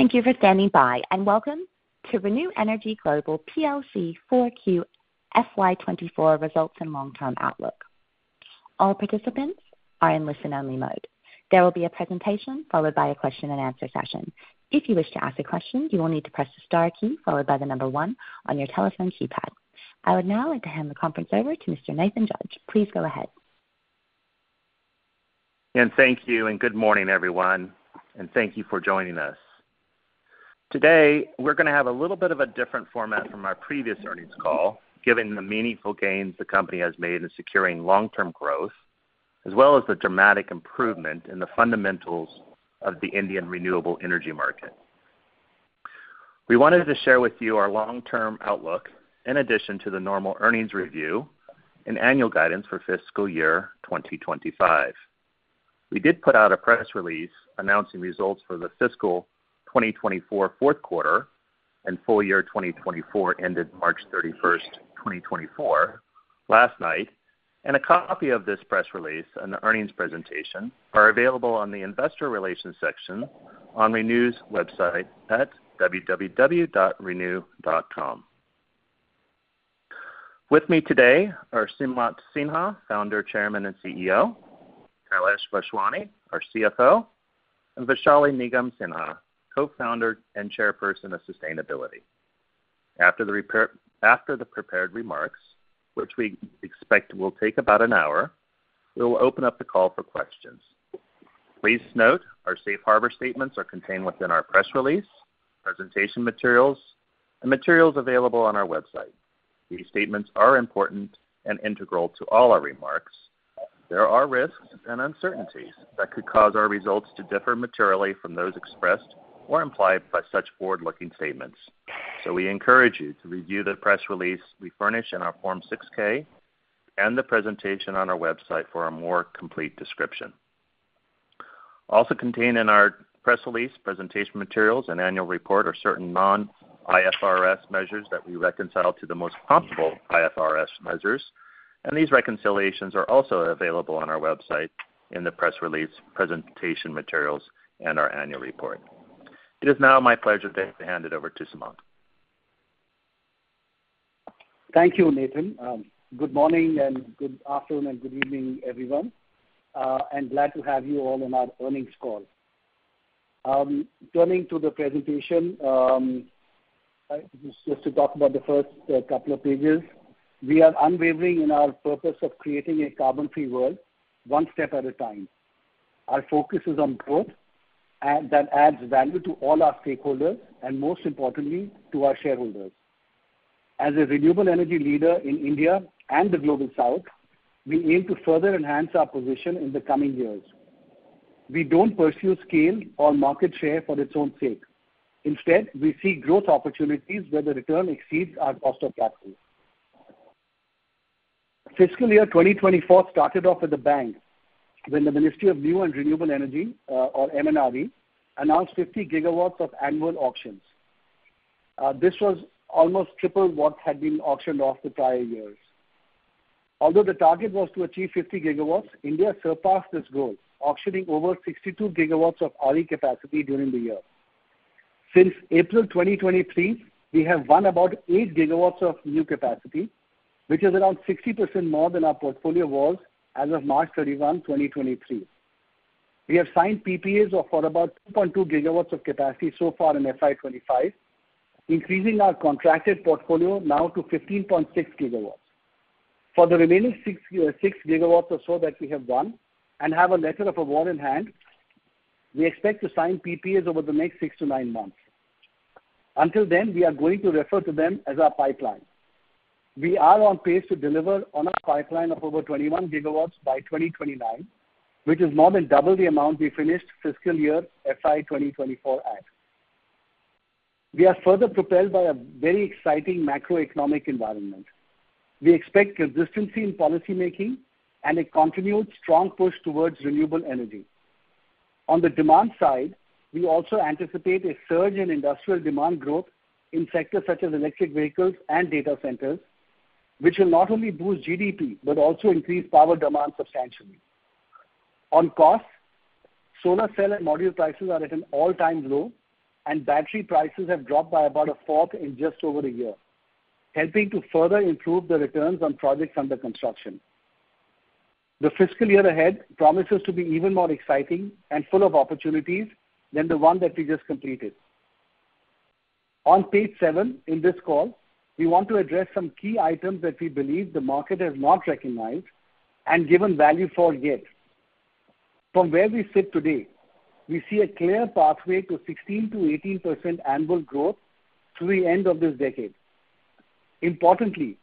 Thank you for standing by, and welcome to ReNew Energy Global PLC 4Q FY 2024 results and long-term outlook. All participants are in listen-only mode. There will be a presentation, followed by a question-and-answer session. If you wish to ask a question, you will need to press the star key followed by the number one on your telephone keypad. I would now like to hand the conference over to Mr. Nathan Judge. Please go ahead. Thank you, and good morning, everyone, and thank you for joining us. Today, we're gonna have a little bit of a different format from our previous earnings call, given the meaningful gains the company has made in securing long-term growth, as well as the dramatic improvement in the fundamentals of the Indian renewable energy market. We wanted to share with you our long-term outlook, in addition to the normal earnings review and annual guidance for fiscal year 2025. We did put out a press release announcing results for the fiscal 2024 fourth quarter and full-year 2024, ended March 31, 2024, last night, and a copy of this press release and the earnings presentation are available on the Investor Relations section on ReNew's website at www.renew.com. With me today are Sumant Sinha, Founder, Chairman, and CEO; Kailash Vaswani, our CFO; and Vaishali Nigam Sinha, Co-Founder and Chairperson of Sustainability. After the prepared remarks, which we expect will take about an hour, we will open up the call for questions. Please note, our safe harbor statements are contained within our press release, presentation materials, and materials available on our website. These statements are important and integral to all our remarks. There are risks and uncertainties that could cause our results to differ materially from those expressed or implied by such forward-looking statements. So we encourage you to review the press release we furnish in our Form 6-K and the presentation on our website for a more complete description. Also contained in our press release, presentation materials, and annual report are certain non-IFRS measures that we reconcile to the most comparable IFRS measures, and these reconciliations are also available on our website in the press release, presentation materials, and our annual report. It is now my pleasure to hand it over to Sumant. Thank you, Nathan. Good morning and good afternoon and good evening, everyone, and glad to have you all on our earnings call. Turning to the presentation, just to talk about the first couple of pages. We are unwavering in our purpose of creating a carbon-free world, one step at a time. Our focus is on growth, and that adds value to all our stakeholders, and most importantly, to our shareholders. As a renewable energy leader in India and the Global South, we aim to further enhance our position in the coming years. We don't pursue scale or market share for its own sake. Instead, we see growth opportunities where the return exceeds our cost of capital. Fiscal year 2024 started off with a bang when the Ministry of New and Renewable Energy, or MNRE, announced 50 GW of annual auctions. This was almost triple what had been auctioned off the prior years. Although the target was to achieve 50 GW, India surpassed this goal, auctioning over 62 GW of RE capacity during the year. Since April 2023, we have won about 8 GW of new capacity, which is around 60% more than our portfolio was as of March 31, 2023. We have signed PPAs for about 2.2 GW of capacity so far in FY 2025, increasing our contracted portfolio now to 15.6 GW. For the remaining six, 6 GW or so that we have won and have a letter of award in hand, we expect to sign PPAs over the next six to nine months. Until then, we are going to refer to them as our pipeline. We are on pace to deliver on our pipeline of over 21 GW by 2029, which is more than double the amount we finished fiscal year FY 2024 at. We are further propelled by a very exciting macroeconomic environment. We expect consistency in policymaking and a continued strong push towards renewable energy. On the demand side, we also anticipate a surge in industrial demand growth in sectors such as electric vehicles and data centers, which will not only boost GDP, but also increase power demand substantially. On cost, solar cell and module prices are at an all-time low, and battery prices have dropped by about a fourth in just over a year, helping to further improve the returns on projects under construction. The fiscal year ahead promises to be even more exciting and full of opportunities than the one that we just completed. On page seven in this call, we want to address some key items that we believe the market has not recognized and given value for yet. From where we sit today, we see a clear pathway to 16%-18% annual growth through the end of this decade. Importantly,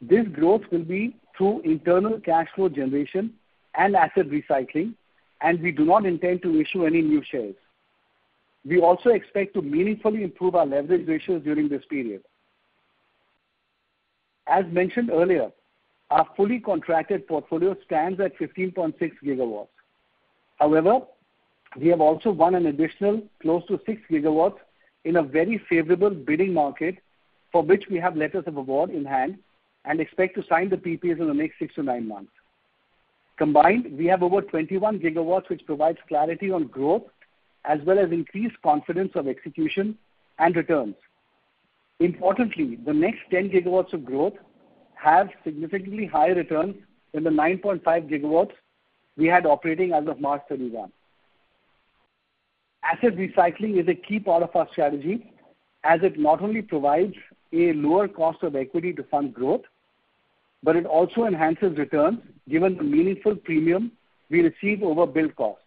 this growth will be through internal cash flow generation and asset recycling, and we do not intend to issue any new shares. We also expect to meaningfully improve our leverage ratios during this period. As mentioned earlier, our fully contracted portfolio stands at 15.6 GW. However, we have also won an additional close to 6 GW in a very favorable bidding market, for which we have letters of award in hand and expect to sign the PPAs in the next six to nine months. Combined, we have over 21 GW, which provides clarity on growth, as well as increased confidence of execution and returns. Importantly, the next 10 GW of growth have significantly higher returns than the 9.5 GW we had operating as of March 31. Asset recycling is a key part of our strategy, as it not only provides a lower cost of equity to fund growth, but it also enhances returns, given the meaningful premium we receive over build cost.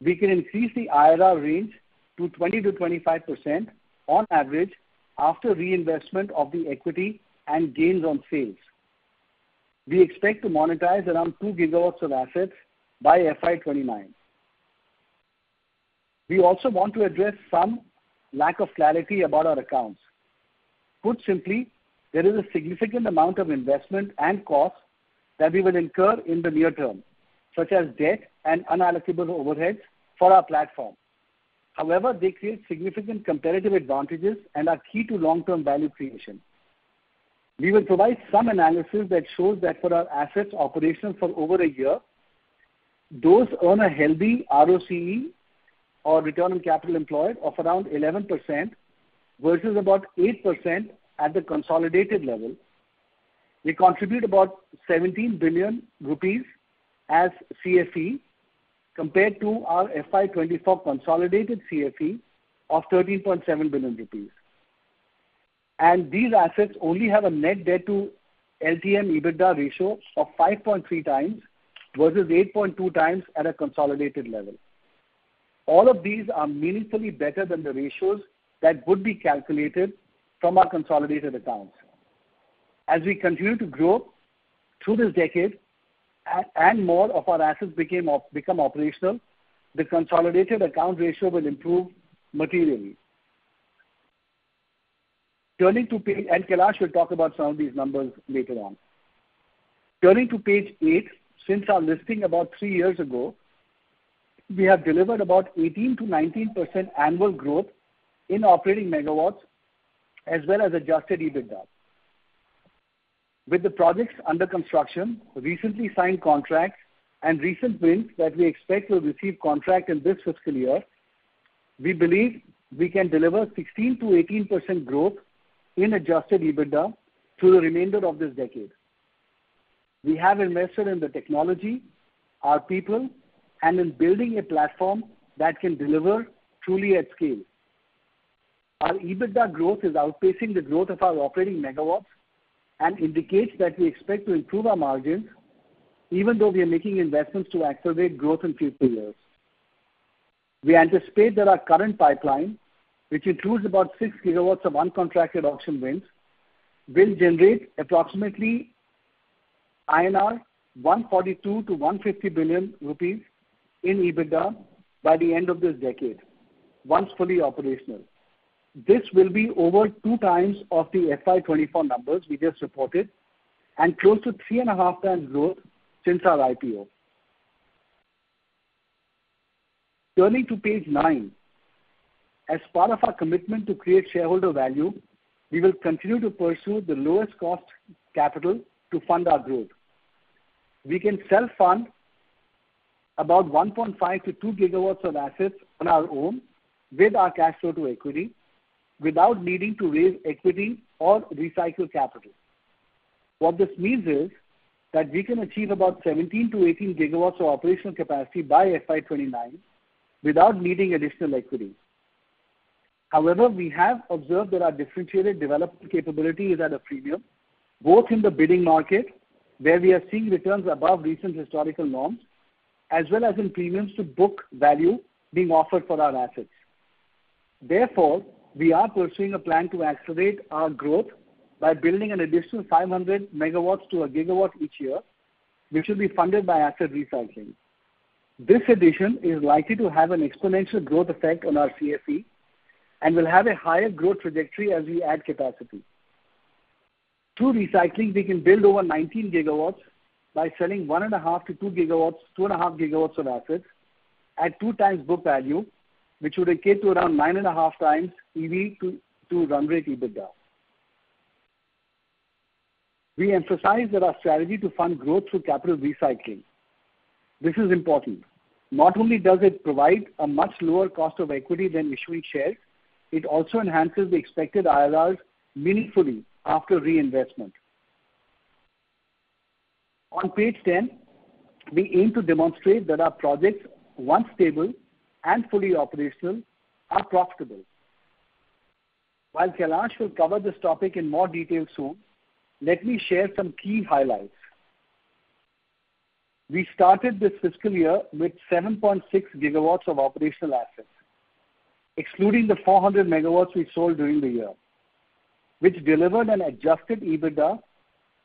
We can increase the IRR range to 20%-25% on average after reinvestment of the equity and gains on sales. We expect to monetize around 2 GW of assets by FY 2029. We also want to address some lack of clarity about our accounts. Put simply, there is a significant amount of investment and cost that we will incur in the near term, such as debt and unallocable overheads for our platform. However, they create significant competitive advantages and are key to long-term value creation. We will provide some analysis that shows that for our assets operational for over a year, those earn a healthy ROCE, or Return on Capital Employed, of around 11% versus about 8% at the consolidated level. They contribute about 17 billion rupees as CFE compared to our FY 2024 consolidated CFE of 13.7 billion rupees. And these assets only have a net debt to LTM EBITDA ratio of 5.3x versus 8.2x at a consolidated level. All of these are meaningfully better than the ratios that would be calculated from our consolidated accounts. As we continue to grow through this decade, and more of our assets become operational, the consolidated account ratio will improve materially. Turning to page... Kailash will talk about some of these numbers later on. Turning to page eight, since our listing about three years ago, we have delivered about 18%-19% annual growth in operating megawatts as well as adjusted EBITDA. With the projects under construction, recently signed contracts, and recent wins that we expect will receive contract in this fiscal year, we believe we can deliver 16%-18% growth in adjusted EBITDA through the remainder of this decade. We have invested in the technology, our people, and in building a platform that can deliver truly at scale. Our EBITDA growth is outpacing the growth of our operating megawatts and indicates that we expect to improve our margins even though we are making investments to accelerate growth in future years. We anticipate that our current pipeline, which includes about 6 GW of uncontracted auction wins, will generate approximately 142 billion-150 billion rupees in EBITDA by the end of this decade, once fully operational. This will be over 2x the FY 2024 numbers we just reported, and close to 3.5x growth since our IPO. Turning to page nine. As part of our commitment to create shareholder value, we will continue to pursue the lowest-cost capital to fund our growth. We can self-fund about 1.5 GW-2 GW of assets on our own with our Cash Flow to equity, without needing to raise equity or recycle capital. What this means is that we can achieve about 17 GW-18 GW of operational capacity by FY 2029 without needing additional equity. However, we have observed that our differentiated development capability is at a premium, both in the bidding market, where we are seeing returns above recent historical norms, as well as in premiums to book value being offered for our assets. Therefore, we are pursuing a plan to accelerate our growth by building an additional 500 MW to 1 GW each year, which will be funded by asset recycling. This addition is likely to have an exponential growth effect on our CFE and will have a higher growth trajectory as we add capacity. Through recycling, we can build over 19 GW by selling 1.5 GW-2 GW, 2.5 GW of assets at 2x book value, which would equate to around 9.5x EV to run-rate EBITDA. We emphasize that our strategy to fund growth through capital recycling, this is important. Not only does it provide a much lower cost of equity than issuing shares, it also enhances the expected IRRs meaningfully after reinvestment. On page 10, we aim to demonstrate that our projects, once stable and fully operational, are profitable. While Kailash will cover this topic in more detail soon, let me share some key highlights. We started this fiscal year with 7.6 GW of operational assets, excluding the 400 MW we sold during the year, which delivered an adjusted EBITDA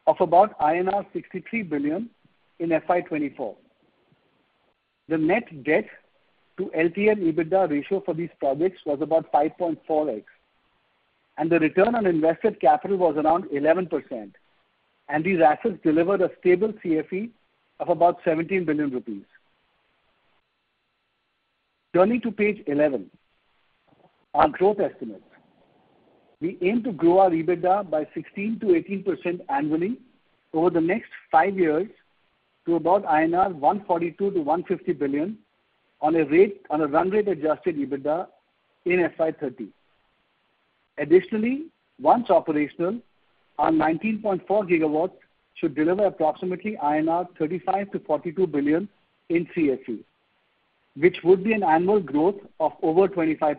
of about INR 63 billion in FY 2024. The net debt to LTM EBITDA ratio for these projects was about 5.4x, and the return on invested capital was around 11%, and these assets delivered a stable CFE of about 17 billion rupees. Turning to page 11, our growth estimates. We aim to grow our EBITDA by 16%-18% annually over the next five years, to about 142 billion-150 billion INR, on a run-rate adjusted EBITDA in FY 2030. Additionally, once operational, our 19.4 GW should deliver approximately 35 billion-42 billion INR in CFE, which would be an annual growth of over 25%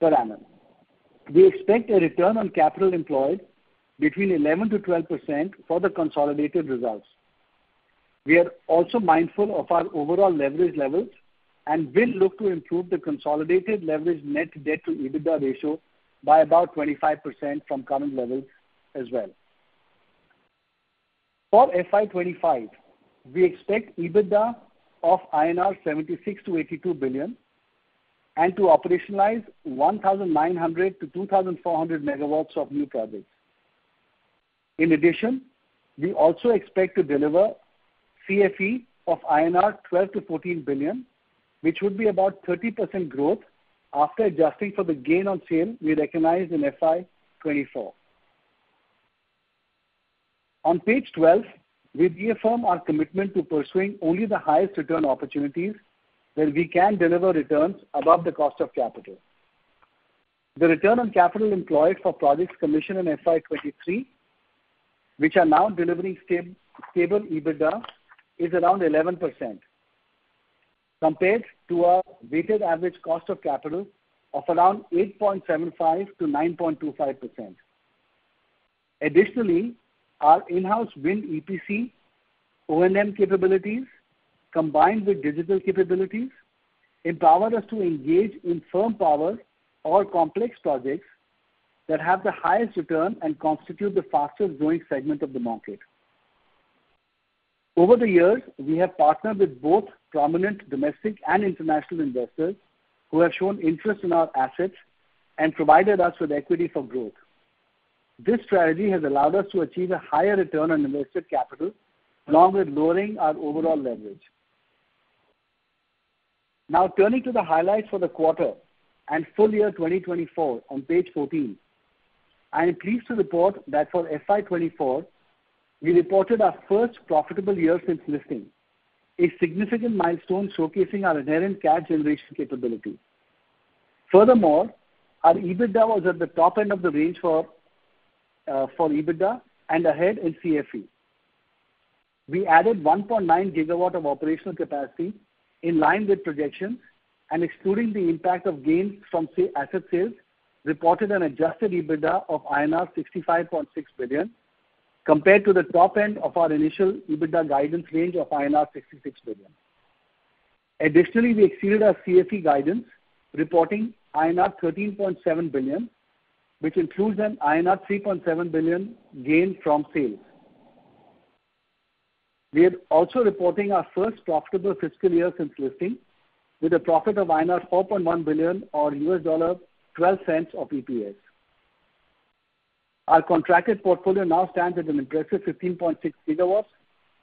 per annum. We expect a Return on Capital Employed between 11%-12% for the consolidated results. We are also mindful of our overall leverage levels, and will look to improve the consolidated leverage net debt to EBITDA ratio by about 25% from current levels as well. For FY 2025, we expect EBITDA of 76 billion-82 billion INR, and to operationalize 1,900-2,400 MW of new projects. In addition, we also expect to deliver CFE of 12 billion-14 billion INR, which would be about 30% growth after adjusting for the gain on sale we recognized in FY 2024. On page 12, we reaffirm our commitment to pursuing only the highest return opportunities, where we can deliver returns above the cost of capital. The Return on Capital Employed for projects commissioned in FY 2023, which are now delivering stable EBITDA, is around 11%, compared to our weighted average cost of capital of around 8.75%-9.25%. Additionally, our in-house wind EPC O&M capabilities, combined with digital capabilities, empower us to engage in firm power or complex projects that have the highest return and constitute the fastest-growing segment of the market. Over the years, we have partnered with both prominent domestic and international investors, who have shown interest in our assets and provided us with equity for growth. This strategy has allowed us to achieve a higher return on invested capital, along with lowering our overall leverage. Now, turning to the highlights for the quarter and full year 2024 on page 14. I am pleased to report that for FY 2024, we reported our first profitable year since listing, a significant milestone showcasing our inherent cash generation capability. Furthermore, our EBITDA was at the top end of the range for EBITDA and ahead in CFE. We added 1.9 GW of operational capacity in line with projections, and excluding the impact of gains from asset sales, reported an adjusted EBITDA of INR 65.6 billion, compared to the top end of our initial EBITDA guidance range of INR 66 billion. Additionally, we exceeded our CFE guidance, reporting INR 13.7 billion, which includes an INR 3.7 billion gain from sales. We are also reporting our first profitable fiscal year since listing, with a profit of 4.1 billion or $0.12 of EPS. Our contracted portfolio now stands at an impressive 15.6 GW,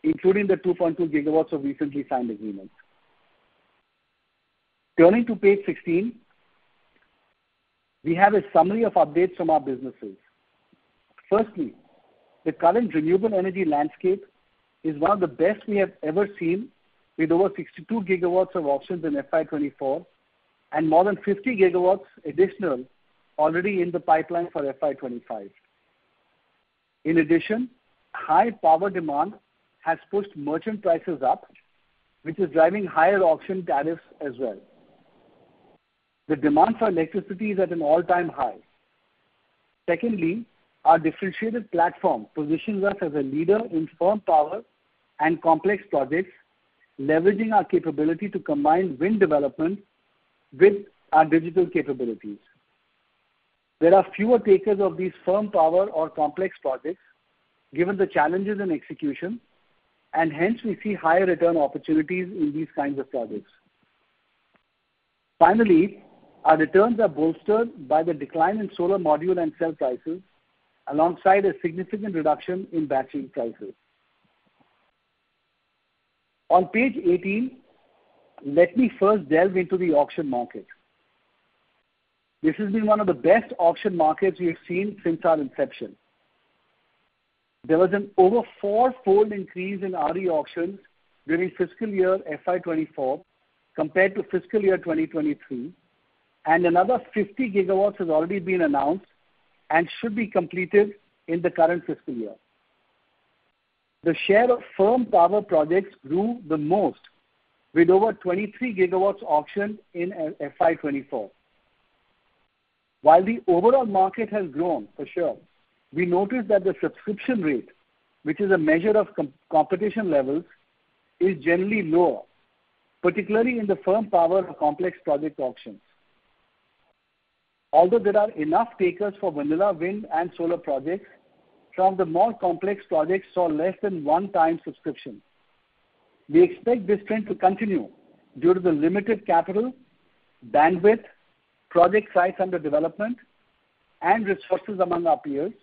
including the 2.2 GW of recently signed agreements. Turning to page 16, we have a summary of updates from our businesses. Firstly, the current renewable energy landscape is one of the best we have ever seen, with over 62 GW of auctions in FY 2024, and more than 50 GW additional already in the pipeline for FY 2025. In addition, high power demand has pushed merchant prices up, which is driving higher auction tariffs as well. The demand for electricity is at an all-time high. Secondly, our differentiated platform positions us as a leader in firm power and complex projects, leveraging our capability to combine wind development with our digital capabilities. There are fewer takers of these firm power or complex projects, given the challenges in execution, and hence we see higher return opportunities in these kinds of projects. Finally, our returns are bolstered by the decline in solar module and cell prices, alongside a significant reduction in battery prices. On page 18, let me first dive into the auction market. This has been one of the best auction markets we have seen since our inception. There was an over fourfold increase in RE auctions during fiscal year FY 2024, compared to fiscal year 2023, and another 50 GW has already been announced and should be completed in the current fiscal year. The share of firm power projects grew the most, with over 23 GW auctioned in FY 2024. While the overall market has grown, for sure, we noticed that the subscription rate, which is a measure of competition levels, is generally lower, particularly in the firm power complex project auctions. Although there are enough takers for vanilla, wind, and solar projects, some of the more complex projects saw less than one time subscription. We expect this trend to continue due to the limited capital, bandwidth, project sites under development, and resources among our peers...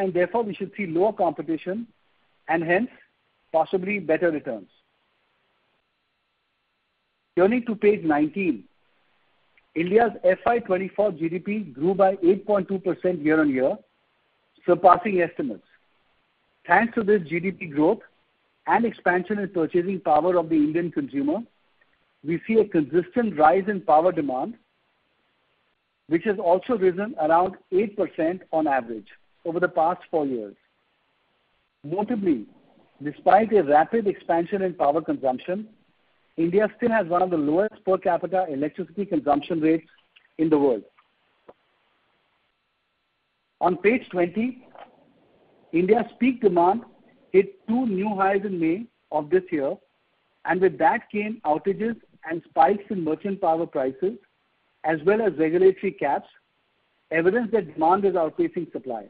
and therefore, we should see lower competition, and hence, possibly better returns. Turning to page 19. India's FY 2024 GDP grew by 8.2% year-on-year, surpassing estimates. Thanks to this GDP growth and expansion in purchasing power of the Indian consumer, we see a consistent rise in power demand, which has also risen around 8% on average over the past four years. Notably, despite a rapid expansion in power consumption, India still has one of the lowest per capita electricity consumption rates in the world. On page 20, India's peak demand hit two new highs in May of this year, and with that came outages and spikes in merchant power prices, as well as regulatory caps, evidence that demand is outpacing supply.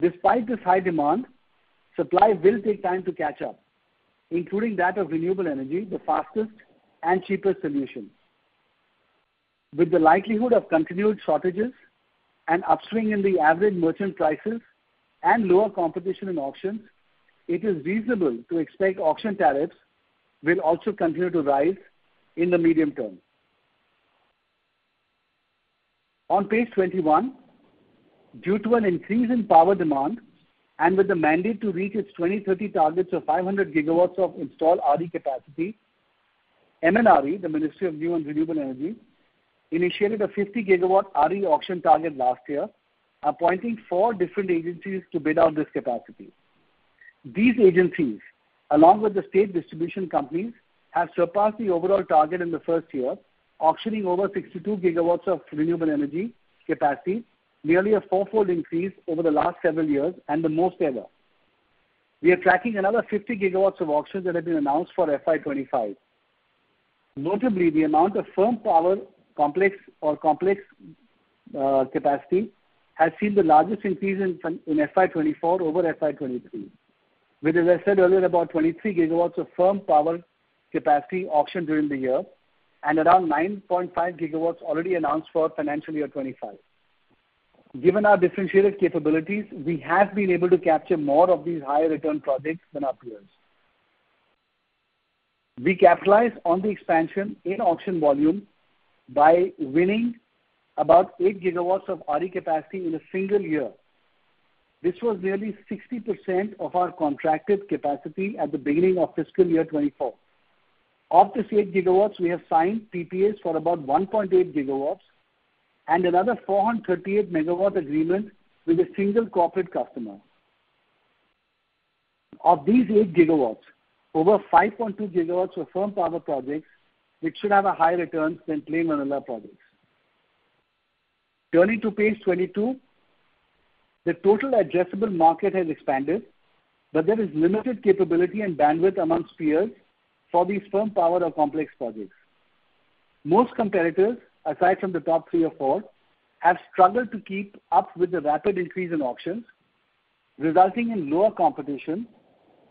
Despite this high demand, supply will take time to catch up, including that of renewable energy, the fastest and cheapest solution. With the likelihood of continued shortages and upswing in the average merchant prices and lower competition in auctions, it is reasonable to expect auction tariffs will also continue to rise in the medium term. On page 21, due to an increase in power demand and with the mandate to reach its 2030 targets of 500 GW of installed RE capacity, MNRE, the Ministry of New and Renewable Energy, initiated a 50 GW RE auction target last year, appointing four different agencies to bid out this capacity. These agencies, along with the state distribution companies, have surpassed the overall target in the first year, auctioning over 62 GW of renewable energy capacity, nearly a fourfold increase over the last several years and the most ever. We are tracking another 50 GW of auctions that have been announced for FY 2025. Notably, the amount of firm power, complex or complex, capacity has seen the largest increase in FY 2024 over FY 2023, with, as I said earlier, about 23 GW of firm power capacity auctioned during the year and around 9.5 GW already announced for financial year 2025. Given our differentiated capabilities, we have been able to capture more of these higher-return projects than our peers. We capitalize on the expansion in auction volume by winning about 8 GW of RE capacity in a single year. This was nearly 60% of our contracted capacity at the beginning of fiscal year 2024. Of this 8 GW, we have signed PPAs for about 1.8 GW and another 438 MW agreement with a single corporate customer. Of these 8 GW, over 5.2 GW were firm power projects, which should have a higher return than plain vanilla projects. Turning to page 22, the total addressable market has expanded, but there is limited capability and bandwidth amongst peers for these firm power or complex projects. Most competitors, aside from the top three or four, have struggled to keep up with the rapid increase in auctions, resulting in lower competition,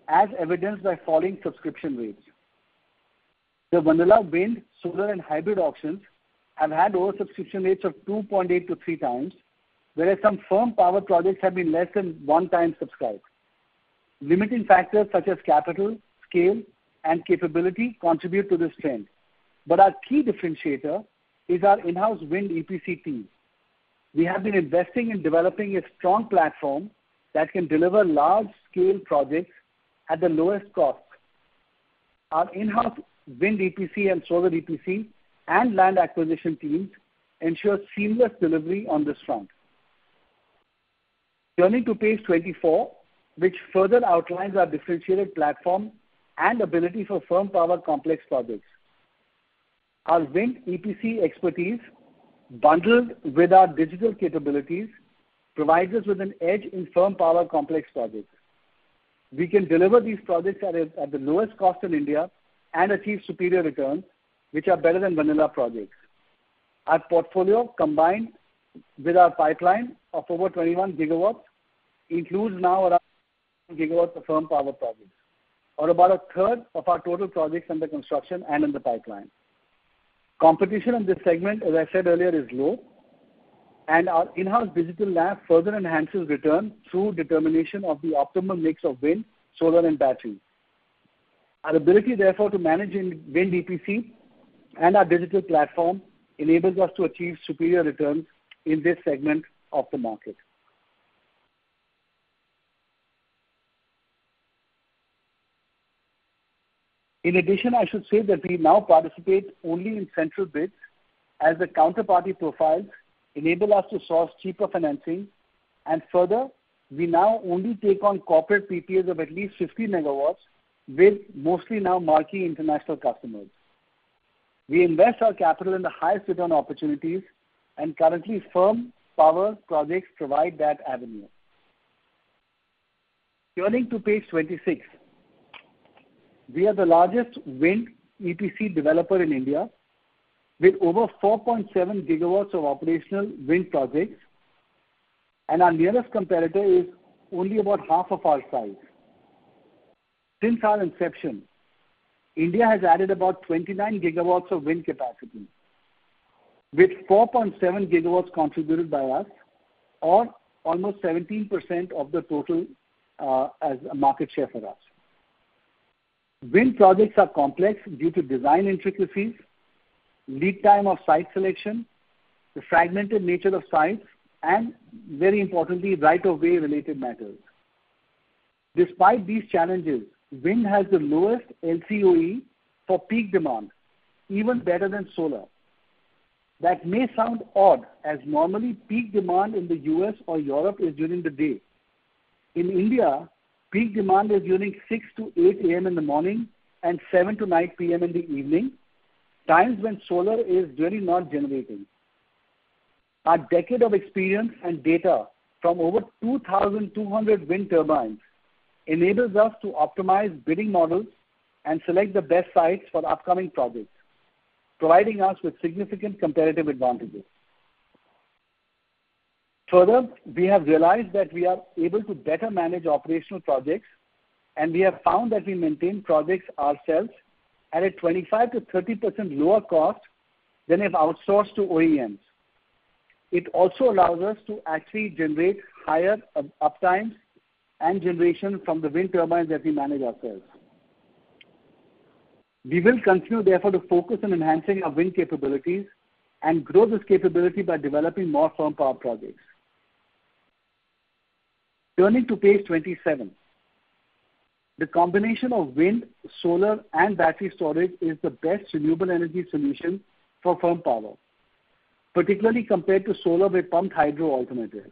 as evidenced by falling subscription rates. The vanilla wind, solar and hybrid auctions have had oversubscription rates of 2.8x-3x, whereas some firm power projects have been less than one time subscribed. Limiting factors such as capital, scale, and capability contribute to this trend, but our key differentiator is our in-house wind EPC team. We have been investing in developing a strong platform that can deliver large-scale projects at the lowest cost. Our in-house wind EPC and solar EPC and land acquisition teams ensure seamless delivery on this front. Turning to page 24, which further outlines our differentiated platform and ability for firm power complex projects. Our wind EPC expertise, bundled with our digital capabilities, provides us with an edge in firm power complex projects. We can deliver these projects at the lowest cost in India and achieve superior returns, which are better than vanilla projects. Our portfolio, combined with our pipeline of over 21 GW, includes now around gigawatts of firm power projects, or about a third of our total projects under construction and in the pipeline. Competition in this segment, as I said earlier, is low, and our in-house digital lab further enhances return through determination of the optimal mix of wind, solar, and battery. Our ability, therefore, to manage in wind EPC and our digital platform enables us to achieve superior returns in this segment of the market. In addition, I should say that we now participate only in central bids, as the counterparty profiles enable us to source cheaper financing. And further, we now only take on corporate PPAs of at least 50 MW, with mostly now marquee international customers. We invest our capital in the highest return opportunities, and currently, firm power projects provide that avenue. Turning to page 26, we are the largest wind EPC developer in India, with over 4.7 GW of operational wind projects, and our nearest competitor is only about half of our size. Since our inception, India has added about 29 GW of wind capacity, with 4.7 GW contributed by us, or almost 17% of the total, as a market share for us. Wind projects are complex due to design intricacies, lead time of site selection, the fragmented nature of sites, and very importantly, right-of-way-related matters. Despite these challenges, wind has the lowest LCOE for peak demand, even better than solar. That may sound odd, as normally, peak demand in the U.S. or Europe is during the day. In India, peak demand is during 6 A.M-8 A.M. in the morning and 7 P.M-9 P.M. in the evening, times when solar is really not generating. Our decade of experience and data from over 2,200 wind turbines enables us to optimize bidding models and select the best sites for upcoming projects, providing us with significant competitive advantages. Further, we have realized that we are able to better manage operational projects, and we have found that we maintain projects ourselves at a 25%-30% lower cost than if outsourced to OEMs. It also allows us to actually generate higher uptimes and generation from the wind turbines that we manage ourselves. We will continue, therefore, to focus on enhancing our wind capabilities and grow this capability by developing more firm power projects. Turning to page 27. The combination of wind, solar, and battery storage is the best renewable energy solution for firm power, particularly compared to solar with pumped hydro alternatives.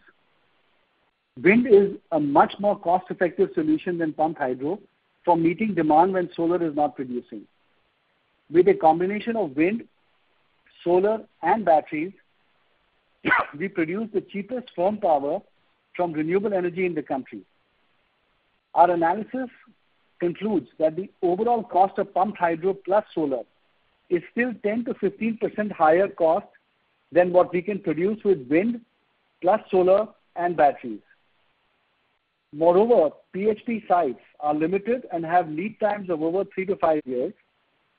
Wind is a much more cost-effective solution than pumped hydro for meeting demand when solar is not producing. With a combination of wind, solar, and batteries, we produce the cheapest firm power from renewable energy in the country. Our analysis concludes that the overall cost of pumped hydro plus solar is still 10%-15% higher cost than what we can produce with wind, plus solar and batteries. Moreover, PSP sites are limited and have lead times of over three to five years,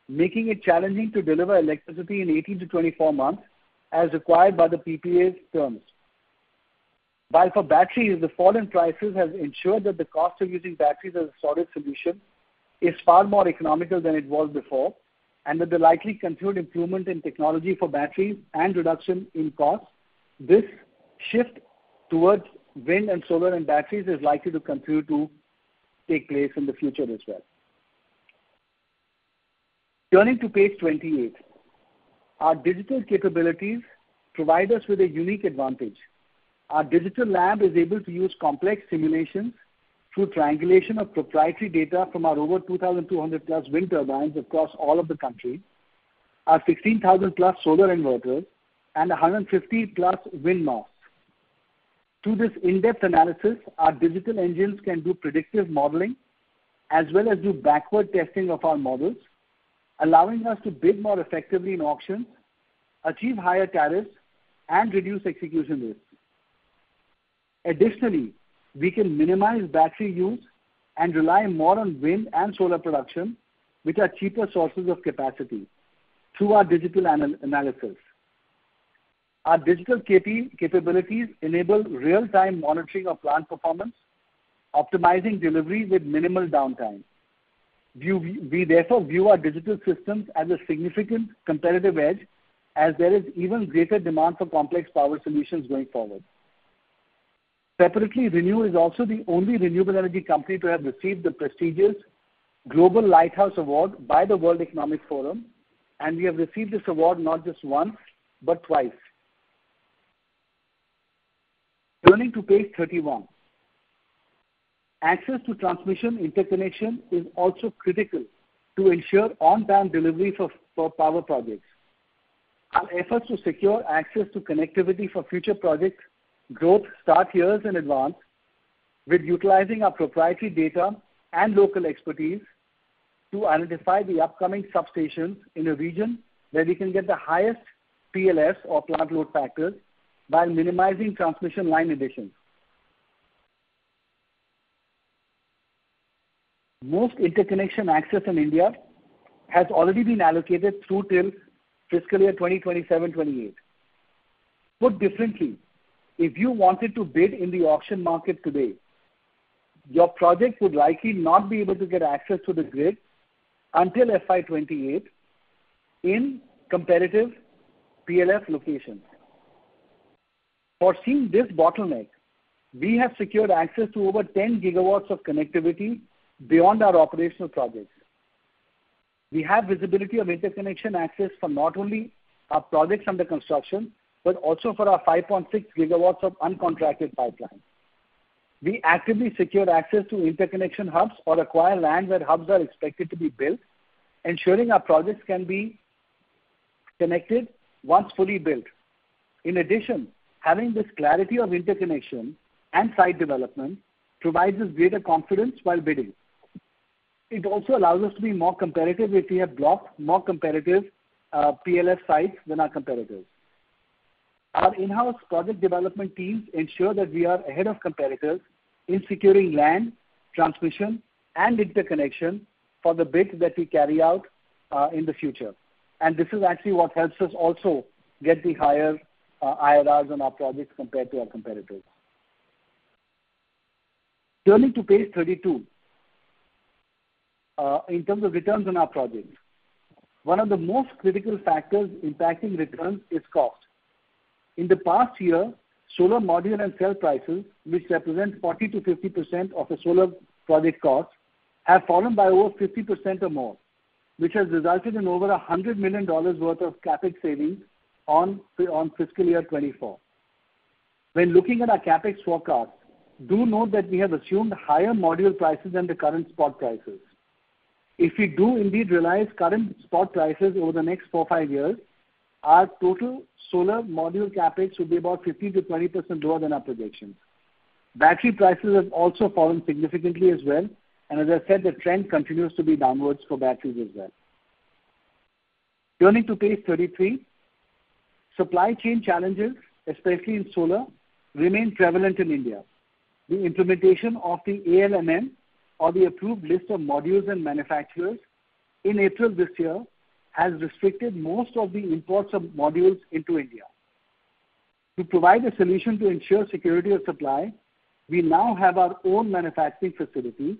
making it challenging to deliver electricity in 18 months-24 months, as required by the PPA's terms. While for batteries, the fall in prices has ensured that the cost of using batteries as a storage solution is far more economical than it was before, and with the likely continued improvement in technology for batteries and reduction in cost, this shift towards wind and solar and batteries is likely to continue to take place in the future as well. Turning to page 28. Our digital capabilities provide us with a unique advantage. Our digital lab is able to use complex simulations through triangulation of proprietary data from our over 2,200+ wind turbines across all of the country, our 16,000+ solar inverters, and a 150+ wind masts. Through this in-depth analysis, our digital engines can do predictive modeling as well as do backward testing of our models, allowing us to bid more effectively in auctions, achieve higher tariffs, and reduce execution risks. Additionally, we can minimize battery use and rely more on wind and solar production, which are cheaper sources of capacity, through our digital analysis. Our digital capabilities enable real-time monitoring of plant performance, optimizing delivery with minimal downtime. We therefore view our digital systems as a significant competitive edge, as there is even greater demand for complex power solutions going forward. Separately, ReNew is also the only renewable energy company to have received the prestigious Global Lighthouse Award by the World Economic Forum, and we have received this award not just once, but twice. Turning to page 31. Access to transmission interconnection is also critical to ensure on-time delivery for power projects. Our efforts to secure access to connectivity for future projects growth start years in advance, with utilizing our proprietary data and local expertise to identify the upcoming substations in a region where we can get the highest PLFs, or plant load factors, by minimizing transmission line additions. Most interconnection access in India has already been allocated through till fiscal year 2027-2028. Put differently, if you wanted to bid in the auction market today, your project would likely not be able to get access to the grid until FY 2028 in competitive PLF locations. Foreseeing this bottleneck, we have secured access to over 10 GW of connectivity beyond our operational projects. We have visibility of interconnection access for not only our projects under construction, but also for our 5.6 GW of uncontracted pipeline. We actively secure access to interconnection hubs or acquire land where hubs are expected to be built, ensuring our projects can be connected once fully built. In addition, having this clarity of interconnection and site development provides us greater confidence while bidding. It also allows us to be more competitive if we have blocked more competitive PLF sites than our competitors. Our in-house project development teams ensure that we are ahead of competitors in securing land, transmission, and interconnection for the bids that we carry out in the future. And this is actually what helps us also get the higher IRRs on our projects compared to our competitors. Turning to page 32. In terms of returns on our projects, one of the most critical factors impacting returns is cost. In the past year, solar module and cell prices, which represent 40%-50% of the solar project costs, have fallen by over 50% or more, which has resulted in over $100 million worth of CapEx savings on fiscal year 2024. When looking at our CapEx forecast, do note that we have assumed higher module prices than the current spot prices. If we do indeed realize current spot prices over the next four-five years, our total solar module CapEx should be about 15%-20% lower than our projections. Battery prices have also fallen significantly as well, and as I said, the trend continues to be downwards for batteries as well. Turning to page 33. Supply chain challenges, especially in solar, remain prevalent in India. The implementation of the ALMM, or the Approved List of Models and Manufacturers, in April this year, has restricted most of the imports of modules into India. To provide a solution to ensure security of supply, we now have our own manufacturing facilities,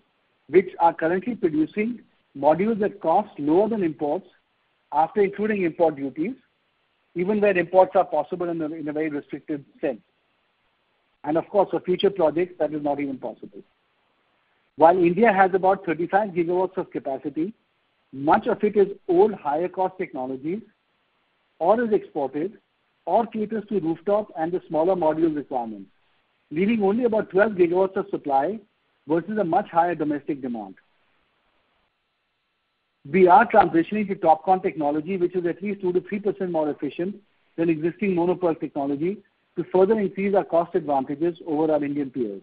which are currently producing modules that cost lower than imports, after including import duties, even where imports are possible in a very restricted sense. And of course, for future projects, that is not even possible. While India has about 35 GW of capacity, much of it is old, higher cost technologies, or is exported, or caters to rooftop and the smaller module requirements, leaving only about 12 GW of supply versus a much higher domestic demand. We are transitioning to TOPCon technology, which is at least 2%-3% more efficient than existing Mono PERC technology, to further increase our cost advantages over our Indian peers.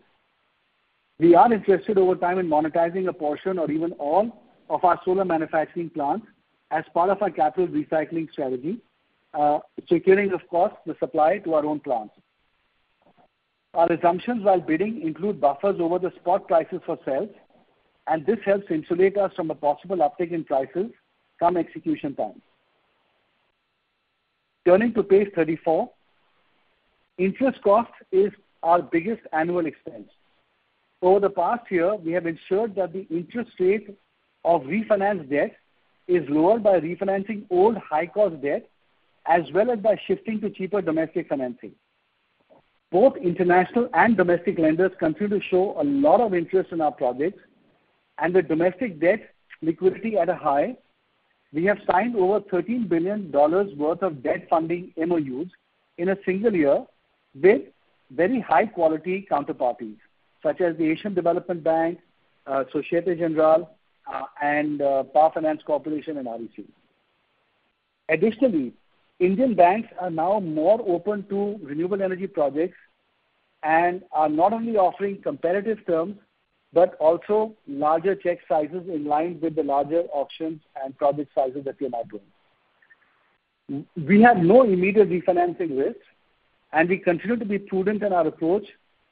We are interested over time in monetizing a portion or even all of our solar manufacturing plants as part of our capital recycling strategy, securing, of course, the supply to our own plants. Our assumptions while bidding include buffers over the spot prices for sales, and this helps insulate us from a possible uptick in prices come execution time. Turning to page 34. Interest cost is our biggest annual expense. Over the past year, we have ensured that the interest rate of refinanced debt is lowered by refinancing old high-cost debt, as well as by shifting to cheaper domestic financing. Both international and domestic lenders continue to show a lot of interest in our projects, and with domestic debt liquidity at a high, we have signed over $13 billion worth of debt funding MOUs in a single year with very high-quality counterparties, such as the Asian Development Bank, Société Générale, and Power Finance Corporation, and REC. Additionally, Indian banks are now more open to renewable energy projects, and are not only offering competitive terms, but also larger check sizes in line with the larger auctions and project sizes that we are now doing. We have no immediate refinancing risk, and we continue to be prudent in our approach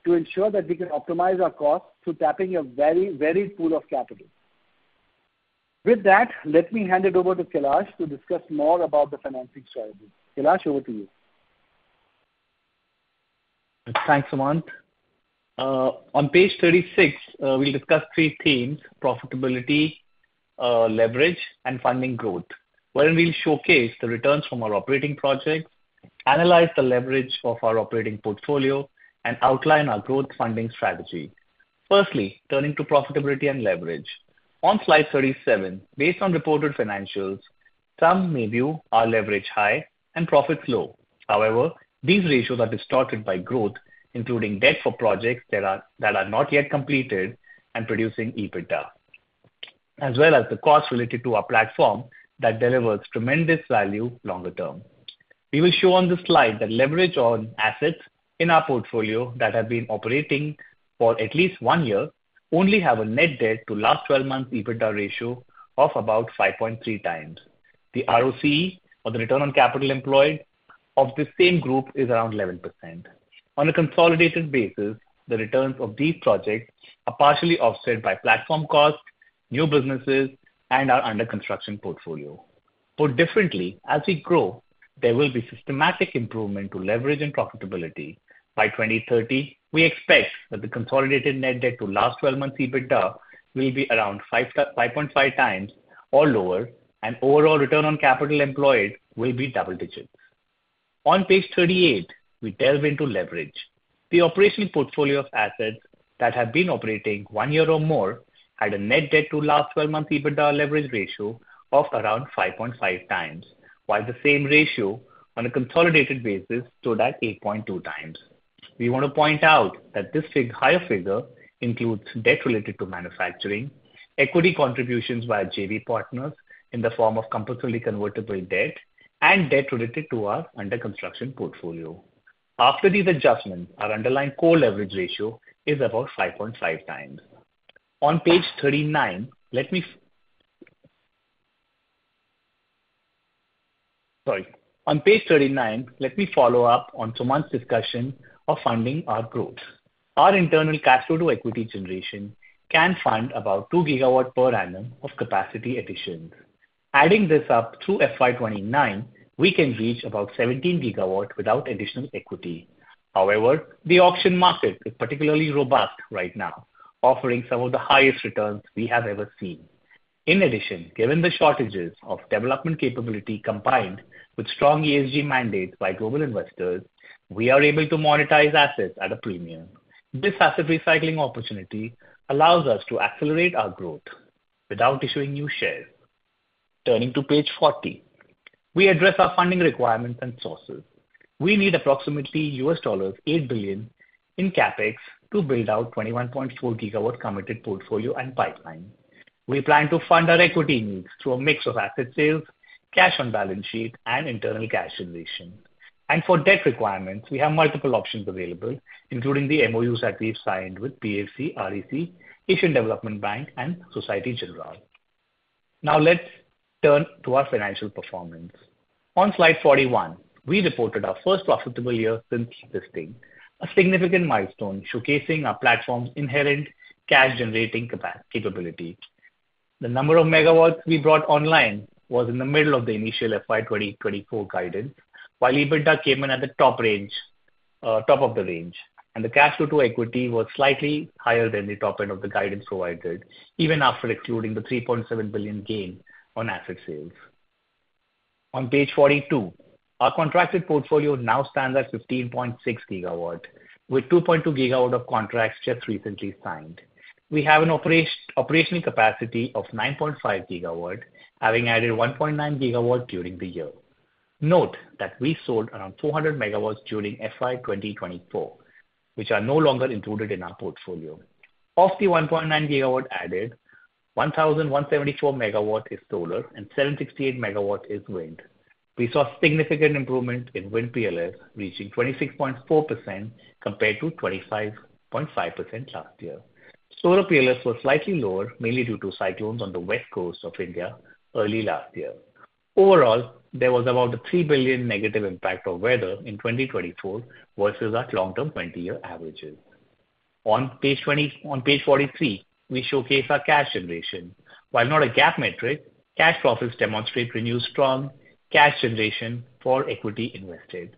to ensure that we can optimize our costs through tapping a very varied pool of capital. With that, let me hand it over to Kailash to discuss more about the financing strategy. Kailash, over to you. Thanks, Sumant. On page 36, we'll discuss three themes: profitability, leverage, and funding growth, wherein we'll showcase the returns from our operating projects, analyze the leverage of our operating portfolio, and outline our growth funding strategy. Firstly, turning to profitability and leverage. On slide 37, based on reported financials, some may view our leverage high and profits low. However, these ratios are distorted by growth, including debt for projects that are not yet completed and producing EBITDA, as well as the costs related to our platform that delivers tremendous value longer term. We will show on this slide that leverage on assets in our portfolio that have been operating for at least one year only have a net debt to last 12-month EBITDA ratio of about 5.3x. The ROCE, or the Return on Capital Employed, of the same group is around 11%. On a consolidated basis, the returns of these projects are partially offset by platform costs, new businesses, and our under-construction portfolio. Put differently, as we grow, there will be systematic improvement to leverage and profitability. By 2030, we expect that the consolidated net debt to last 12-month EBITDA will be around 5.5x or lower, and overall Return on Capital Employed will be double-digits. On page 38, we delve into leverage. The operational portfolio of assets that have been operating one year or more, had a net debt to last 12-month EBITDA leverage ratio of around 5.5x, while the same ratio on a consolidated basis stood at 8.2x. We want to point out that this higher figure includes debt related to manufacturing, equity contributions by our JV partners in the form of compulsorily convertible debt, and debt related to our under-construction portfolio. After these adjustments, our underlying core leverage ratio is about 5.5x. On page 39, let me follow up on Sumant's discussion of funding our growth. Our internal cash flow to equity generation can fund about 2 GW per annum of capacity additions. Adding this up through FY 2029, we can reach about 17 GW without additional equity. However, the auction market is particularly robust right now, offering some of the highest returns we have ever seen. In addition, given the shortages of development capability, combined with strong ESG mandates by global investors, we are able to monetize assets at a premium. This asset recycling opportunity allows us to accelerate our growth without issuing new shares. Turning to page 40, we address our funding requirements and sources. We need approximately $8 billion in CapEx to build out 21.4 GW committed portfolio and pipeline. We plan to fund our equity needs through a mix of asset sales, cash on balance sheet, and internal cash generation. For debt requirements, we have multiple options available, including the MOUs that we've signed with PFC, REC, Asian Development Bank and Société Générale. Now, let's turn to our financial performance. On slide 41, we reported our first profitable year since listing, a significant milestone showcasing our platform's inherent cash-generating capability. The number of megawatts we brought online was in the middle of the initial FY 2024 guidance, while EBITDA came in at the top range, top of the range, and the cash flow to equity was slightly higher than the top end of the guidance provided, even after excluding the $3.7 billion gain on asset sales. On page 42, our contracted portfolio now stands at 15.6 GW, with 2.2 GW of contracts just recently signed. We have an operational capacity of 9.5 GW, having added 1.9 GW during the year. Note that we sold around 400 MW during FY 2024, which are no longer included in our portfolio. Of the 1.9 GW added, 1,174 MW is solar and 768 MW is wind. We saw significant improvement in wind PLF, reaching 26.4% compared to 25.5% last year. Solar PLF was slightly lower, mainly due to cyclones on the west coast of India early last year. Overall, there was about a 3 billion negative impact of weather in 2024 versus our long-term 20-year averages. On page 43, we showcase our cash generation. While not a GAAP metric, cash profits demonstrate ReNew's strong cash generation for equity invested.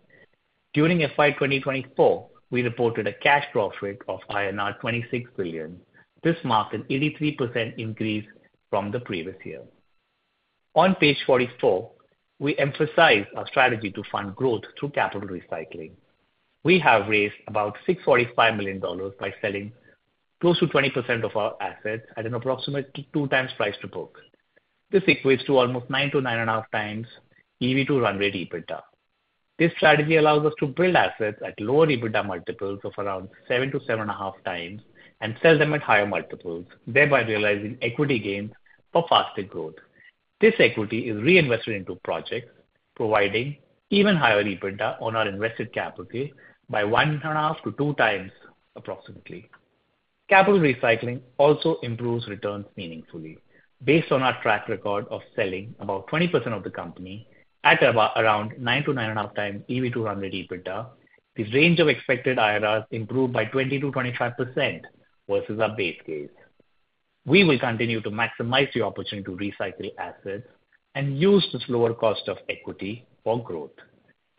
During FY 2024, we reported a cash profit of INR 26 billion. This marked an 83% increase from the previous year. On page 44, we emphasize our strategy to fund growth through capital recycling. We have raised about $645 million by selling close to 20% of our assets at an approximate 2x price to book. This equates to almost 9x-9.5x EV to run-rate EBITDA. This strategy allows us to build assets at lower EBITDA multiples of around 7x-7.5x and sell them at higher multiples, thereby realizing equity gains for faster growth. This equity is reinvested into projects, providing even higher EBITDA on our invested capital by 1.5x-2x, approximately. Capital recycling also improves returns meaningfully. Based on our track record of selling about 20% of the company at around 9x-9.5x EV to run-rate EBITDA, the range of expected IRRs improved by 20%-25% versus our base case. We will continue to maximize the opportunity to recycle assets and use this lower cost of equity for growth,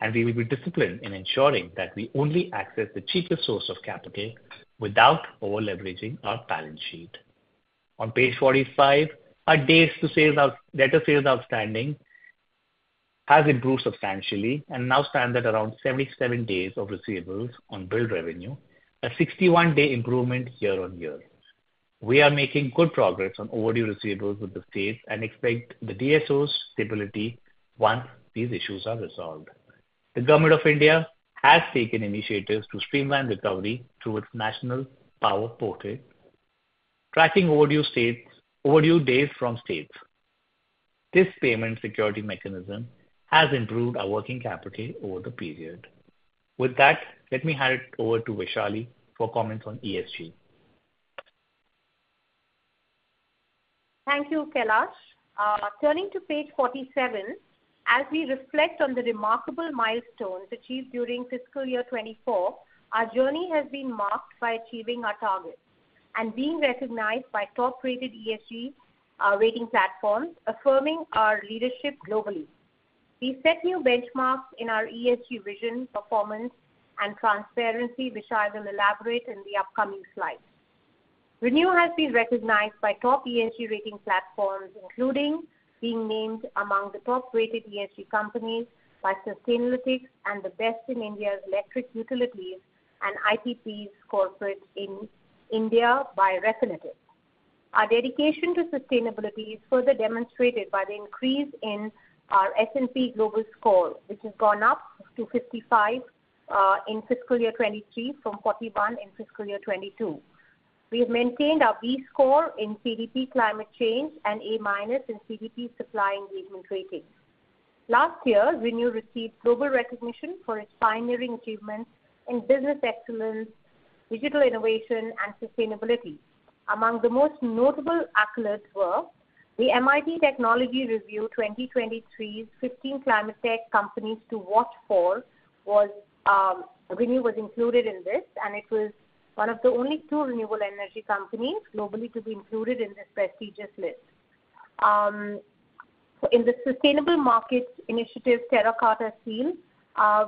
and we will be disciplined in ensuring that we only access the cheapest source of capital without over-leveraging our balance sheet. On page 45, our Days Sales Outstanding has improved substantially and now stands at around 77 days of receivables on billed revenue, a 61-day improvement year-on-year. We are making good progress on overdue receivables with the state and expect the DSO stability once these issues are resolved. The Government of India has taken initiatives to streamline recovery through its National Power Portal, tracking overdue days from states. This payment security mechanism has improved our working capital over the period. With that, let me hand it over to Vaishali for comments on ESG. Thank you, Kailash. Turning to page 47, as we reflect on the remarkable milestones achieved during fiscal year 2024, our journey has been marked by achieving our targets and being recognized by top-rated ESG rating platforms, affirming our leadership globally. We set new benchmarks in our ESG vision, performance, and transparency, which I will elaborate in the upcoming slides. ReNew has been recognized by top ESG rating platforms, including being named among the top-rated ESG companies by Sustainalytics and the best in India's electric utilities and IPPs corporate in India by Refinitiv. Our dedication to sustainability is further demonstrated by the increase in our S&P Global score, which has gone up to 55 in fiscal year 2023 from 41 in fiscal year 2022. We have maintained our B score in CDP Climate Change and A- in CDP Supplier Engagement Rating. Last year, ReNew received global recognition for its pioneering achievements in business excellence, digital innovation, and sustainability. Among the most notable accolades were the MIT Technology Review 2023's 15 Climate Tech Companies to Watch for, ReNew was included in this, and it was one of the only two renewable energy companies globally to be included in this prestigious list. In the Sustainable Markets Initiative Terra Carta Seal,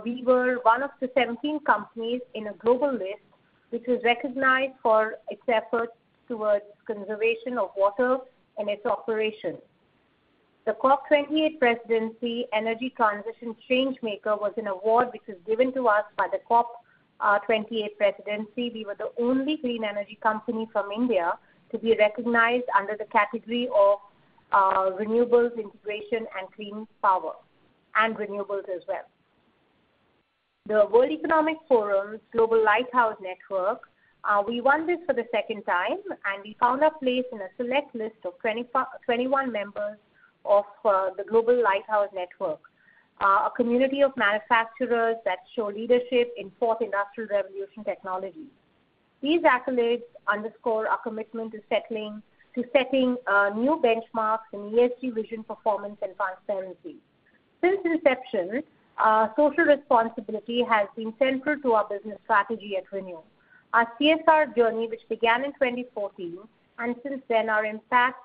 we were one of the 17 companies in a global list, which was recognized for its efforts towards conservation of water and its operations. The COP 28 Presidency Energy Transition Changemaker was an award which was given to us by the COP 28 Presidency. We were the only clean energy company from India to be recognized under the category of renewables, integration, and clean power, and renewables as well. The World Economic Forum's Global Lighthouse Network, we won this for the second time, and we found our place in a select list of 21 members of the Global Lighthouse Network, a community of manufacturers that show leadership in Fourth Industrial Revolution technologies. These accolades underscore our commitment to setting new benchmarks in ESG vision, performance, and transparency. Since inception, our social responsibility has been central to our business strategy at ReNew. Our CSR journey, which began in 2014, and since then, our impact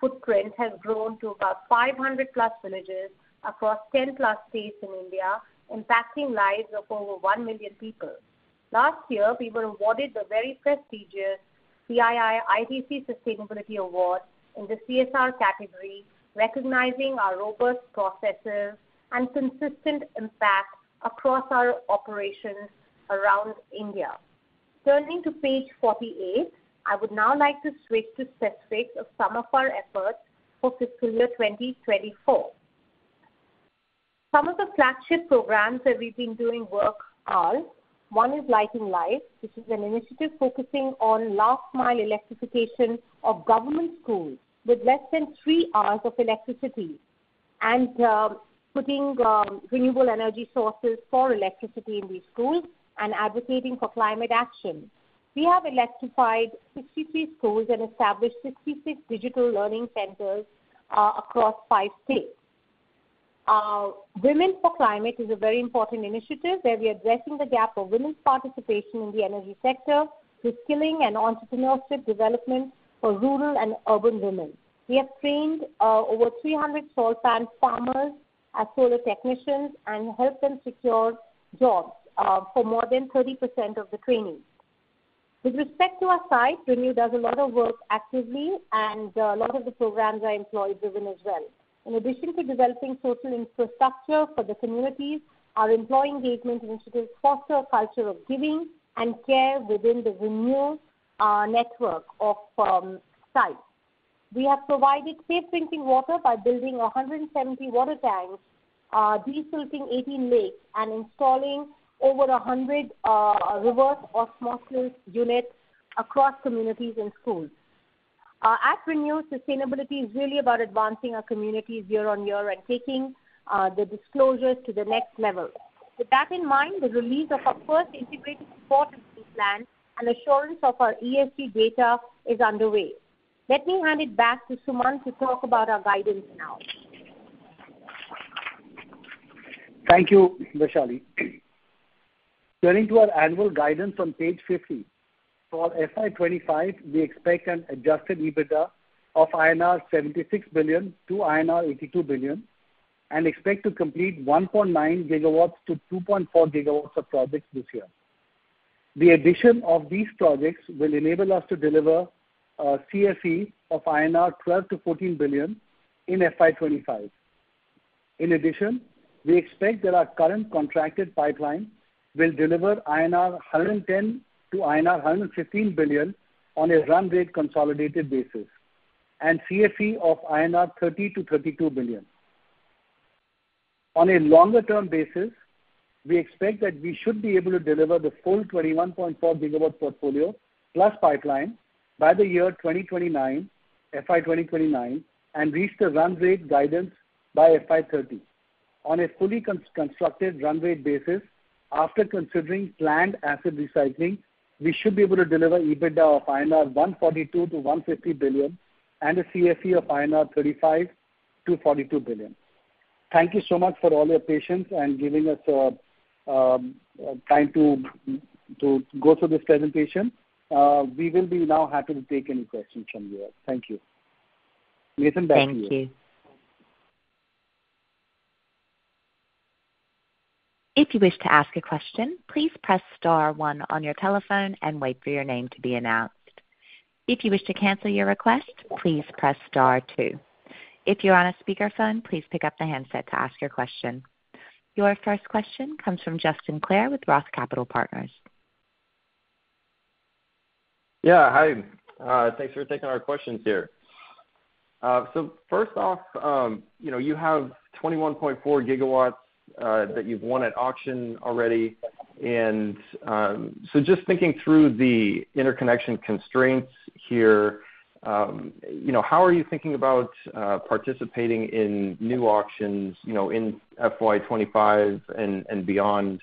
footprint has grown to about 500+ villages across 10+ states in India, impacting lives of over one million people. Last year, we were awarded the very prestigious CII ITC Sustainability Award in the CSR category, recognizing our robust processes and consistent impact across our operations around India. Turning to page 48, I would now like to switch to specifics of some of our efforts for fiscal year 2024. Some of the flagship programs that we've been doing work are, one is Lighting Lives, which is an initiative focusing on last mile electrification of government schools with less than three hours of electricity, and putting renewable energy sources for electricity in these schools and advocating for climate action. We have electrified 63 schools and established 66 digital learning centers across five states. Women for Climate is a very important initiative, where we are addressing the gap of women's participation in the energy sector through skilling and entrepreneurship development for rural and urban women. We have trained over 300 salt pan farmers as solar technicians and helped them secure jobs for more than 30% of the trainees. With respect to our site, ReNew does a lot of work actively, and a lot of the programs are employee-driven as well. In addition to developing social infrastructure for the communities, our employee engagement initiatives foster a culture of giving and care within the ReNew network of sites. We have provided safe drinking water by building 170 water tanks, de-silting 18 lakes, and installing over 100 reverse osmosis units across communities and schools. At ReNew, sustainability is really about advancing our communities year on year and taking the disclosures to the next level. With that in mind, the release of our first integrated report plan and assurance of our ESG data is underway. Let me hand it back to Sumant to talk about our guidance now. Thank you, Vaishali. Turning to our annual guidance on page 50. For FY 2025, we expect an adjusted EBITDA of 76 billion-82 billion INR and expect to complete 1.9 GW-2.4 GW of projects this year. The addition of these projects will enable us to deliver CFE of 12 billion-14 billion INR in FY 2025. In addition, we expect that our current contracted pipeline will deliver 110 billion-115 billion INR on a run rate consolidated basis, and CFE of 30 billion-32 billion INR. On a longer-term basis, we expect that we should be able to deliver the full 21.4 GW portfolio plus pipeline by the year 2029, FY 2029, and reach the run rate guidance by FY 2030. On a fully constructed run rate basis, after considering planned asset recycling, we should be able to deliver EBITDA of 142 billion-150 billion INR, and a CFE of 35 billion-42 billion INR. Thank you so much for all your patience and giving us time to go through this presentation. We will be now happy to take any questions from you all. Thank you. Nathan, back to you. Thank you. Thank you. If you wish to ask a question, please press star one on your telephone and wait for your name to be announced. If you wish to cancel your request, please press star two. If you're on a speakerphone, please pick up the handset to ask your question. Your first question comes from Justin Clare with Roth Capital Partners.... Yeah, hi. Thanks for taking our questions here. So first off, you know, you have 21.4 GW that you've won at auction already. And so just thinking through the interconnection constraints here, you know, how are you thinking about participating in new auctions, you know, in FY 2025 and beyond,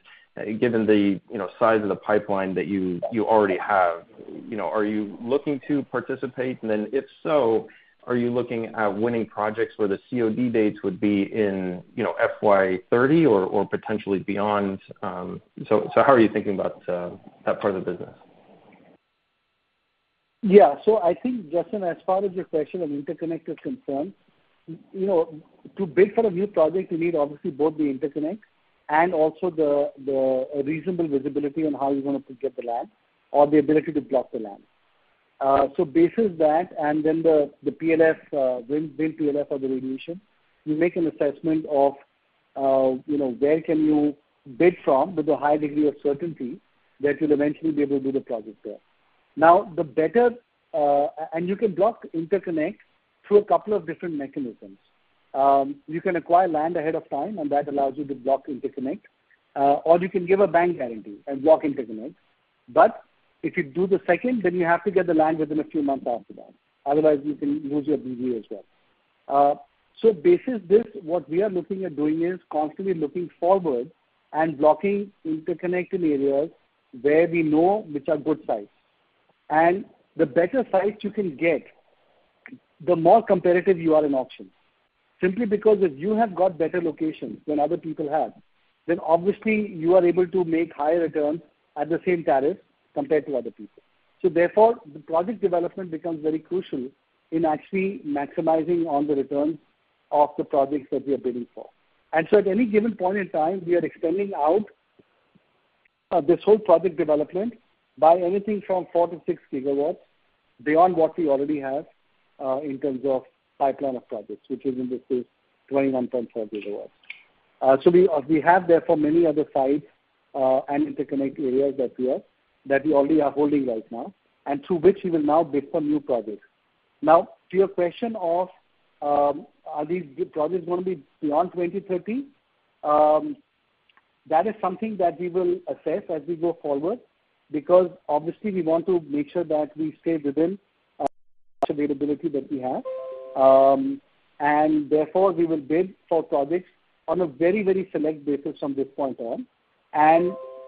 given the, you know, size of the pipeline that you already have? You know, are you looking to participate? And then if so, are you looking at winning projects where the COD dates would be in, you know, FY 2030 or potentially beyond... So how are you thinking about that part of the business? Yeah. So I think, Justin, as far as your question on interconnect is concerned, you know, to bid for a new project, you need obviously both the interconnect and also the reasonable visibility on how you're gonna get the land or the ability to block the land. So based on that, and then the PLF, wind PLF or the radiation, you make an assessment of, you know, where can you bid from with a high degree of certainty that you'll eventually be able to do the project there. Now, and you can block interconnects through a couple of different mechanisms. You can acquire land ahead of time, and that allows you to block interconnect, or you can give a bank guarantee and block interconnect. But if you do the second, then you have to get the land within a few months after that, otherwise you can lose your BG as well. So based on this, what we are looking at doing is constantly looking forward and blocking interconnect in areas where we know which are good sites. And the better sites you can get, the more competitive you are in auctions. Simply because if you have got better locations than other people have, then obviously you are able to make higher returns at the same tariff compared to other people. So therefore, the project development becomes very crucial in actually maximizing on the returns of the projects that we are bidding for. So at any given point in time, we are expanding out this whole project development by anything from 4 GW-6 GW beyond what we already have in terms of pipeline of projects, which is in this case, 21.4 GW. So we have therefore many other sites and interconnect areas that we already are holding right now, and through which we will now bid for new projects. Now, to your question of, are these projects going to be beyond 2030? That is something that we will assess as we go forward, because obviously we want to make sure that we stay within availability that we have. And therefore, we will bid for projects on a very, very select basis from this point on.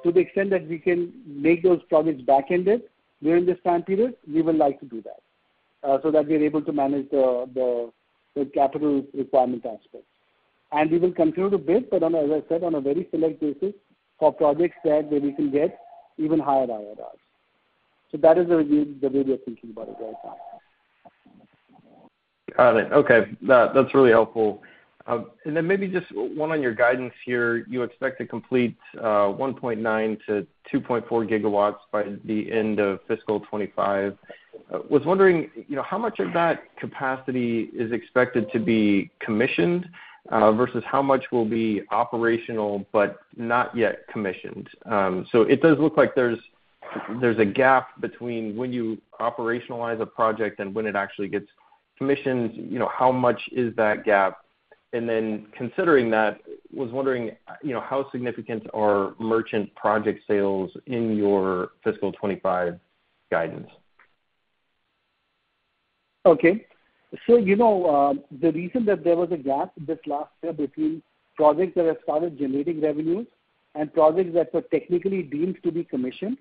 To the extent that we can make those projects back-ended during this time period, we would like to do that, so that we are able to manage the capital requirement aspect. We will continue to bid, but on a, as I said, on a very select basis for projects that, where we can get even higher IRRs. So that is the way we are thinking about it right now. Got it. Okay. That, that's really helpful. And then maybe just one on your guidance here. You expect to complete 1.9 GW-2.4 GW by the end of fiscal 2025. Was wondering, you know, how much of that capacity is expected to be commissioned versus how much will be operational but not yet commissioned? So it does look like there's, there's a gap between when you operationalize a project and when it actually gets commissioned. You know, how much is that gap? And then considering that, was wondering, you know, how significant are merchant project sales in your fiscal 2025 guidance? Okay. So, you know, the reason that there was a gap this last year between projects that have started generating revenues and projects that were technically deemed to be commissioned,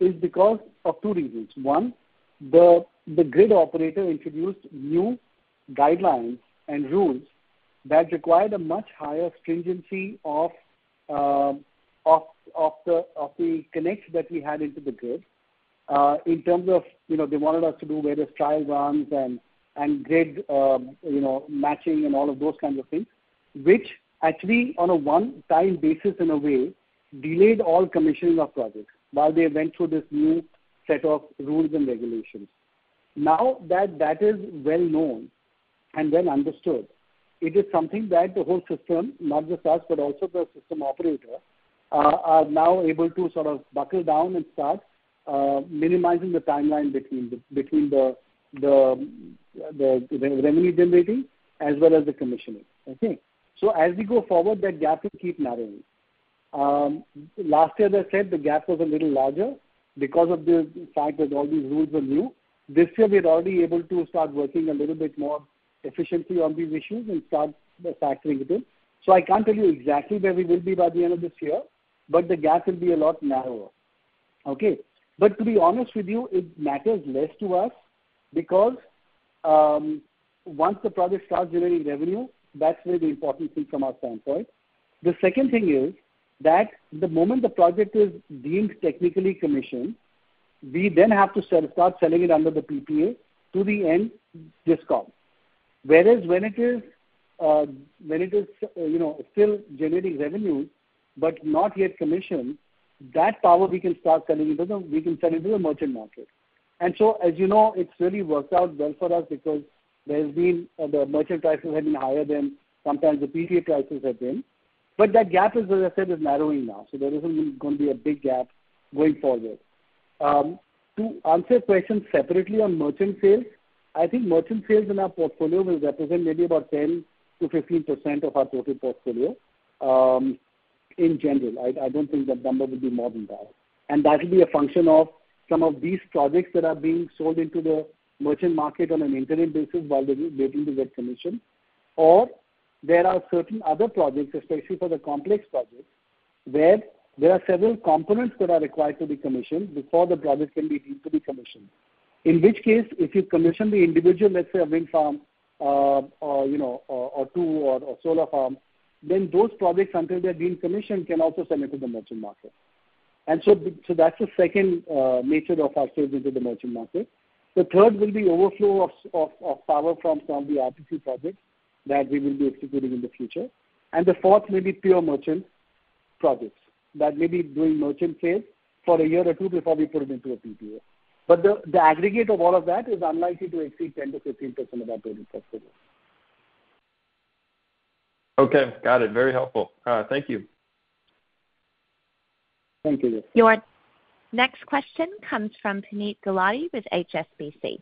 is because of two reasons. One, the grid operator introduced new guidelines and rules that required a much higher stringency of the connection that we had into the grid, in terms of, you know, they wanted us to do various trial runs and grid matching and all of those kinds of things, which actually, on a one-time basis in a way, delayed all commissioning of projects while they went through this new set of rules and regulations. Now that that is well known and well understood, it is something that the whole system, not just us, but also the system operator, are now able to sort of buckle down and start minimizing the timeline between the revenue generating as well as the commissioning. Okay? So as we go forward, that gap will keep narrowing. Last year, as I said, the gap was a little larger because of the fact that all these rules were new. This year, we are already able to start working a little bit more efficiently on these issues and start factoring it in. So I can't tell you exactly where we will be by the end of this year, but the gap will be a lot narrower, okay? But to be honest with you, it matters less to us because once the project starts generating revenue, that's where the important thing from our standpoint. The second thing is that the moment the project is deemed technically commissioned, we then have to start selling it under the PPA to the end customer. Whereas when it is, you know, still generating revenue but not yet commissioned, that power we can sell it to the merchant market. And so, as you know, it's really worked out well for us because the merchant prices have been higher than sometimes the PPA prices have been. But that gap, as I said, is narrowing now, so there isn't going to be a big gap going forward. To answer your question separately on merchant sales, I think merchant sales in our portfolio will represent maybe about 10%-15% of our total portfolio, in general. I don't think that number will be more than that. And that will be a function of some of these projects that are being sold into the merchant market on an interim basis while they're waiting to get commissioned. Or there are certain other projects, especially for the complex projects, where there are several components that are required to be commissioned before the project can be deemed to be commissioned. In which case, if you commission the individual, let's say, a wind farm, or, you know, or, or two, or a solar farm, then those projects, until they've been commissioned, can also sell into the merchant market. So that's the second nature of our sales into the merchant market. The third will be overflow of power from the RTC projects that we will be executing in the future. And the fourth may be pure merchant projects that may be doing merchant sales for a year or two before we put them into a PPA. But the aggregate of all of that is unlikely to exceed 10%-15% of our total portfolio. Okay, got it. Very helpful. Thank you. Thank you. Your next question comes from Puneet Gulati with HSBC.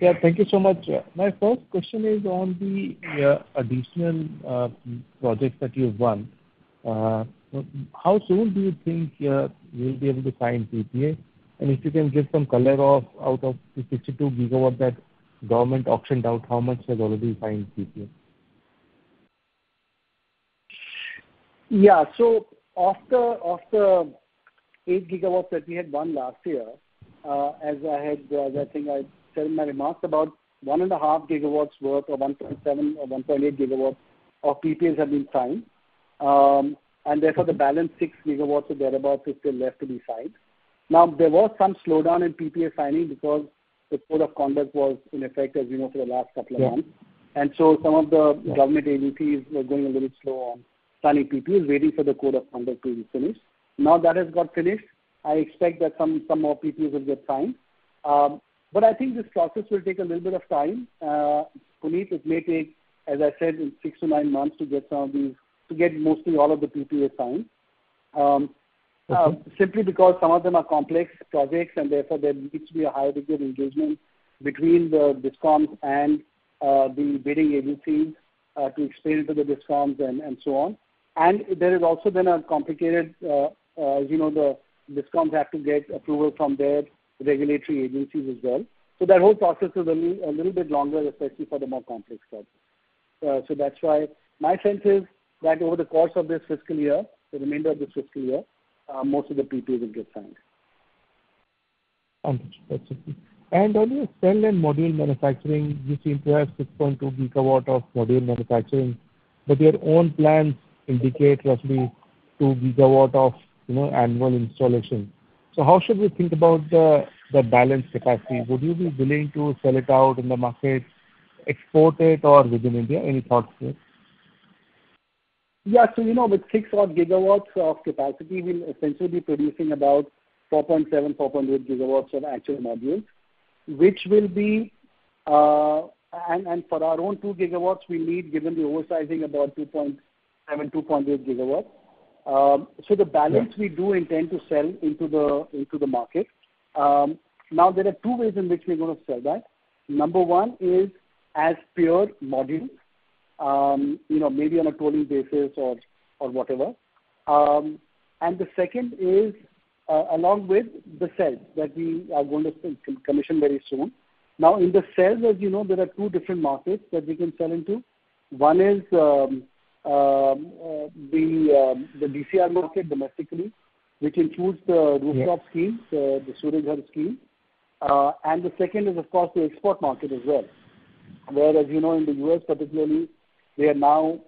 Yeah, thank you so much. My first question is on the additional projects that you've won. How soon do you think you'll be able to sign PPA? And if you can give some color on out of the 62 GW that government auctioned out, how much they've already signed PPA? Yeah. So of the 8 GW that we had won last year, as I had, I think I said in my remarks, about 1.5 GW worth, or 1.7 GW or 1.8 GW of PPAs have been signed. And therefore, the balance 6 GW or thereabout is still left to be signed. Now, there was some slowdown in PPA signing because the Code of Conduct was in effect, as you know, for the last couple of months. Yeah. And so some of the government agencies were going a little slow on signing PPAs, waiting for the Code of Conduct to be finished. Now that has got finished, I expect that some more PPAs will get signed. But I think this process will take a little bit of time. Puneet, it may take, as I said, six to nine months to get some of these, to get mostly all of the PPA signed. Simply because some of them are complex projects, and therefore, there needs to be a higher degree of engagement between the discoms and the bidding agencies to explain to the discoms and so on. And there has also been a complicated, you know, the discoms have to get approval from their regulatory agencies as well. So that whole process is a little bit longer, especially for the more complex projects. So that's why my sense is that over the course of this fiscal year, the remainder of this fiscal year, most of the PPAs will get signed. Understood. That's it. And on your cell and module manufacturing, you seem to have 6.2 GW of module manufacturing, but your own plans indicate roughly 2 GW of, you know, annual installation. So how should we think about the balance capacity? Would you be willing to sell it out in the market, export it, or within India? Any thoughts there? Yeah. So, you know, with 6-odd GW of capacity, we'll essentially be producing about 4.7 GW-4.8 GW of actual modules, which will be, and for our own 2 GW, we need, given the oversizing, about 2.7 GW-2.8 GW. So the balance- Yeah. We do intend to sell into the market. Now there are two ways in which we're going to sell that. Number one is as pure modules, you know, maybe on a tonnage basis or whatever. And the second is along with the cells that we are going to commission very soon. Now, in the cells, as you know, there are two different markets that we can sell into. One is the DCR market domestically, which includes the- Yeah. -rooftop schemes, the Surya Ghar scheme. And the second is, of course, the export market as well. Where, as you know, in the U.S. particularly, we are now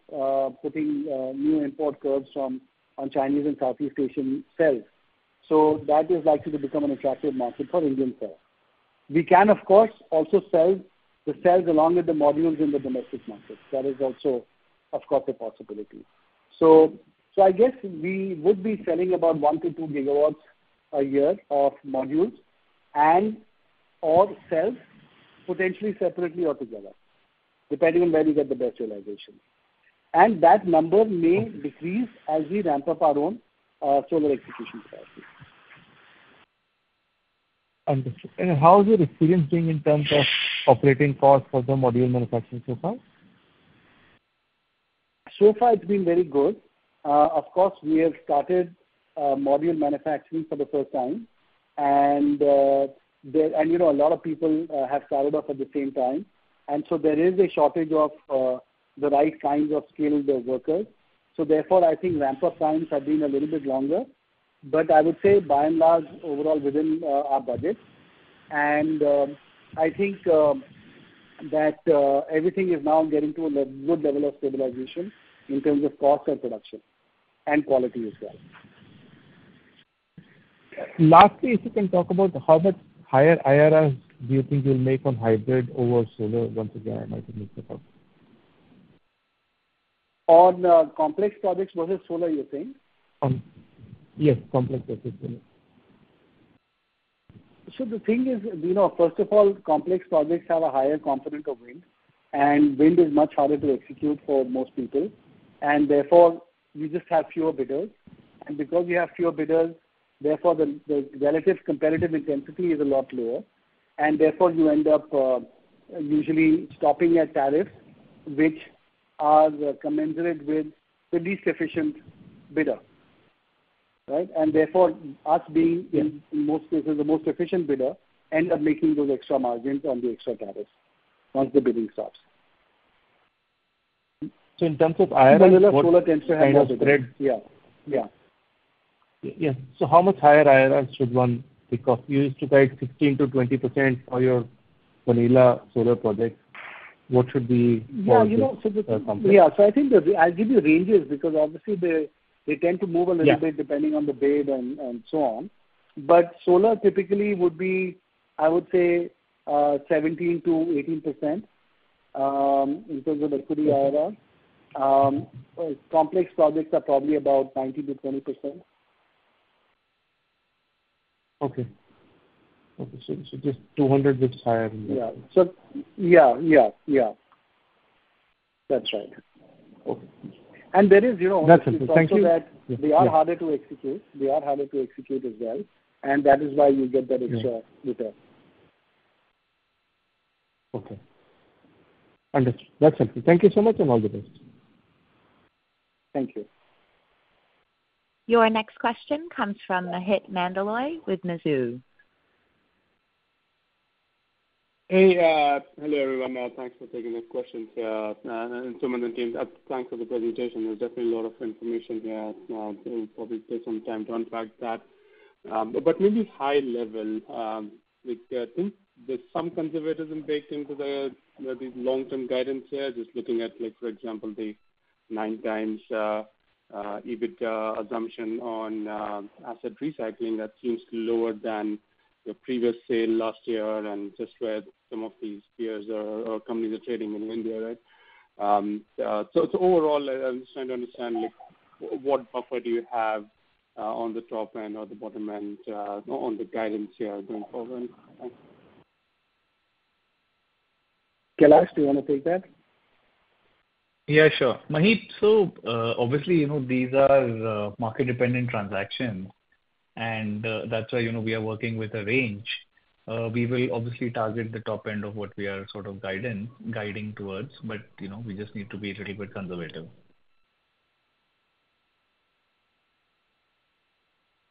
putting new import curbs from on Chinese and Southeast Asian cells. So that is likely to become an attractive market for Indian cells. We can, of course, also sell the cells along with the modules in the domestic market. That is also, of course, a possibility. So, so I guess we would be selling about 1 GW-2 GW a year of modules and/or cells, potentially separately or together, depending on where we get the best realization. And that number may decrease as we ramp up our own solar execution capacity. Understood. How is your experience been in terms of operating costs for the module manufacturing so far? So far, it's been very good. Of course, we have started module manufacturing for the first time, and, you know, a lot of people have started off at the same time, and so there is a shortage of the right kinds of skilled workers. So therefore, I think ramp-up times have been a little bit longer. But I would say, by and large, overall within our budget. I think that everything is now getting to a good level of stabilization in terms of cost and production, and quality as well. Lastly, if you can talk about how much higher IRRs do you think you'll make on hybrid over solar once again, I might have mixed it up? On, complex projects versus solar, you're saying? Yes, complex versus solar.... So the thing is, you know, first of all, complex projects have a higher component of wind, and wind is much harder to execute for most people, and therefore, you just have fewer bidders. And because you have fewer bidders, therefore, the relative competitive intensity is a lot lower, and therefore you end up usually stopping at tariffs which are commensurate with the least efficient bidder, right? And therefore, us being in most cases, the most efficient bidder, end up making those extra margins on the extra tariffs once the bidding stops. So in terms of IRRs, what kind of spread- Yeah, yeah. Yeah. So how much higher IRRs should one expect? You used to pay 16%-20% for your vanilla solar projects. What should be- Yeah, you know, so the- For complex? Yeah. So I think that the... I'll give you ranges, because obviously, they, they tend to move a little bit- Yeah -depending on the bid and, and so on. But solar typically would be, I would say, 17%-18% in terms of equity IRR. Complex projects are probably about 19%-20%. Okay, so just 200 is higher than that? Yeah. So yeah, yeah, yeah. That's right. Okay. And there is, you know- That's it. Thank you. Also, that they are harder to execute. They are harder to execute as well, and that is why you get that extra return. Yeah. Okay. Understood. That's it. Thank you so much, and all the best. Thank you. Your next question comes from Maheep Mandloi with Mizuho. Hey, hello, everyone. Thanks for taking the questions, and Sumant and team, thanks for the presentation. There's definitely a lot of information there. It will probably take some time to unpack that. But maybe high level, think there's some conservatism baked into the these long-term guidance here. Just looking at, like, for example, the 9x EBITDA assumption on asset recycling, that seems lower than the previous sale last year and just where some of these peers or companies are trading in India, right? So overall, I'm just trying to understand, like, what buffer do you have on the top end or the bottom end on the guidance here going forward? Thanks. Kailash, do you want to take that? Yeah, sure. Maheep, so, obviously, you know, these are market-dependent transactions, and that's why, you know, we are working with a range. We will obviously target the top end of what we are sort of guiding towards, but, you know, we just need to be a little bit conservative.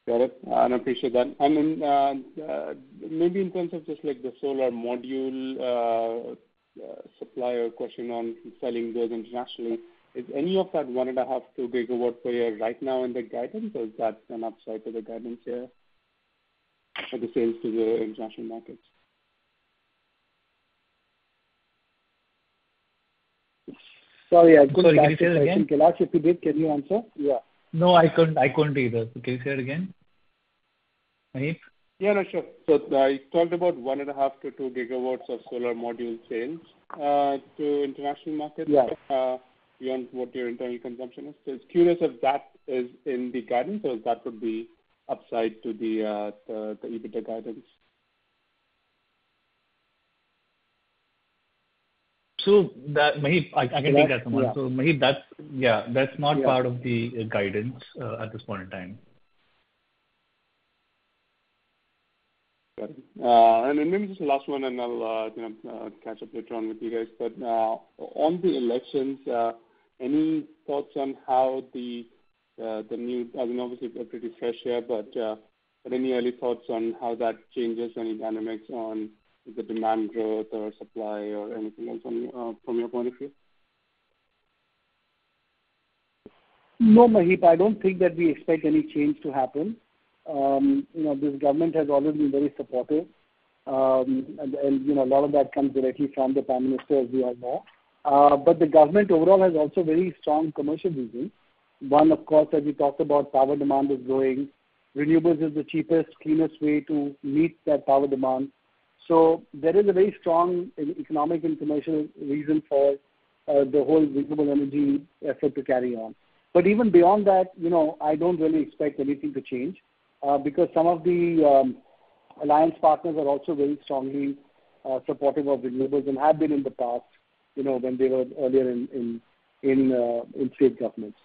Got it. And appreciate that. And then, maybe in terms of just like the solar module supplier question on selling those internationally, is any of that 1.5 GW-2 GW per year right now in the guidance, or is that an upside to the guidance here for the sales to the international markets? Sorry, I couldn't catch that. Can you say it again? Kailash, if you did, can you answer? Yeah. No, I couldn't. I couldn't either. Can you say it again, Maheep? Yeah, sure. So I talked about 1.5 GW-2 GW of solar module sales to international markets- Yeah... beyond what your internal consumption is. Just curious if that is in the guidance or if that would be upside to the EBITDA guidance. So that, Maheep, I can take that one. Yeah. Maheep, that's... Yeah, that's not- Yeah... part of the guidance, at this point in time. Got it. And then maybe just the last one, and I'll, you know, catch up later on with you guys. But, on the elections, any thoughts on how the, the new—I mean, obviously, they're pretty fresh here, but, but any early thoughts on how that changes any dynamics on the demand growth or supply or anything else from, from your point of view? No, Maheep, I don't think that we expect any change to happen. You know, this government has always been very supportive. And, you know, a lot of that comes directly from the Prime Minister, as we all know. But the government overall has also very strong commercial reasons. One, of course, as we talked about, power demand is growing. Renewables is the cheapest, cleanest way to meet that power demand. So there is a very strong economic and commercial reason for the whole renewable energy effort to carry on. But even beyond that, you know, I don't really expect anything to change, because some of the alliance partners are also very strongly supportive of renewables and have been in the past, you know, when they were earlier in state governments.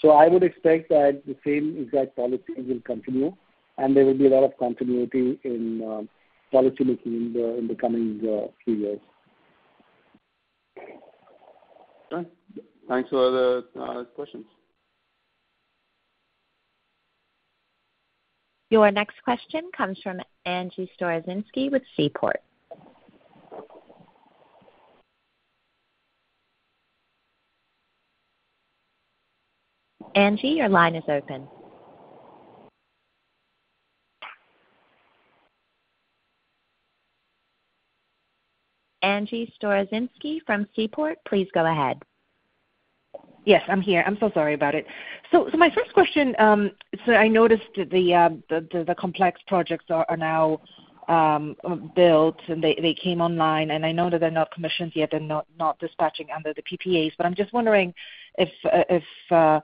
So I would expect that the same exact policy will continue, and there will be a lot of continuity in policymaking in the coming few years. Okay. Thanks for all the questions. Your next question comes from Angie Storozynski with Seaport. Angie, your line is open. Angie Storozynski from Seaport, please go ahead. Yes, I'm here. I'm so sorry about it. So my first question, so I noticed that the complex projects are now built, and they came online, and I know that they're not commissioned yet and not dispatching under the PPAs. But I'm just wondering if, if... for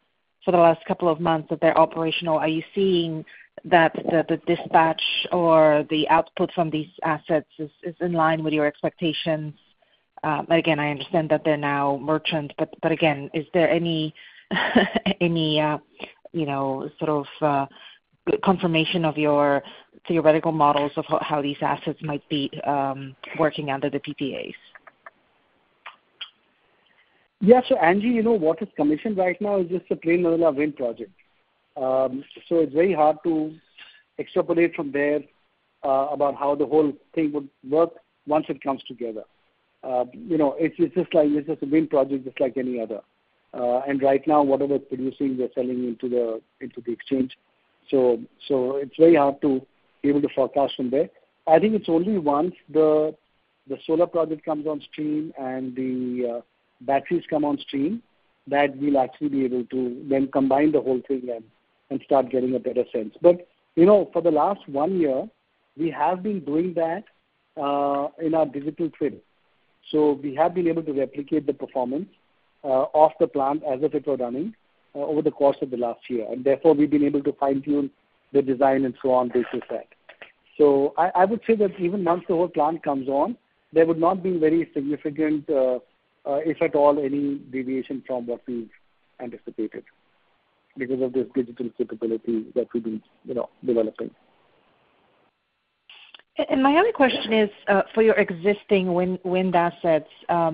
the last couple of months that they're operational, are you seeing that the dispatch or the output from these assets is in line with your expectations? Again, I understand that they're now merchant, but again, is there any, you know, sort of, confirmation of your theoretical models of how these assets might be working under the PPAs? Yeah, so Angie, you know, what is commissioned right now is just the plain vanilla wind project. So it's very hard to extrapolate from there about how the whole thing would work once it comes together. You know, it's, it's just like, it's just a wind project just like any other. And right now, whatever producing, we're selling into the, into the exchange. So it's very hard to be able to forecast from there. I think it's only once the, the solar project comes on stream and the, batteries come on stream, that we'll actually be able to then combine the whole thing and, and start getting a better sense. But, you know, for the last one year, we have been doing that in our digital twin. So we have been able to replicate the performance of the plant as if it were running over the course of the last year, and therefore, we've been able to fine-tune the design and so on based on that. So I, I would say that even once the whole plant comes on, there would not be very significant, if at all, any deviation from what we've anticipated because of this digital capability that we've been, you know, developing. And my other question is, for your existing wind assets, are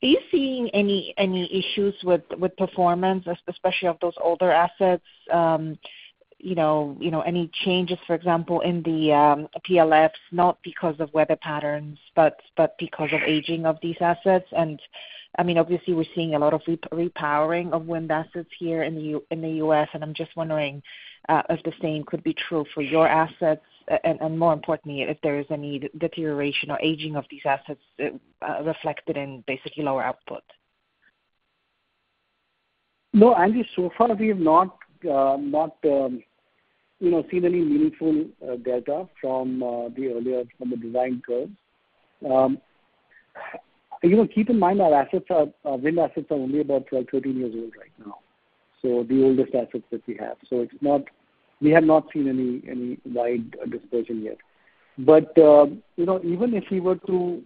you seeing any issues with performance, especially of those older assets? You know, any changes, for example, in the PLFs, not because of weather patterns, but because of aging of these assets? And I mean, obviously, we're seeing a lot of repowering of wind assets here in the U.S., and I'm just wondering if the same could be true for your assets, and more importantly, if there is any deterioration or aging of these assets, reflected in basically lower output. No, Angie, so far we have not, you know, seen any meaningful delta from the earlier, from the design curves. You know, keep in mind, our assets are, our wind assets are only about 12, 13 years old right now. So the oldest assets that we have, so it's not we have not seen any wide dispersion yet. But, you know, even if we were to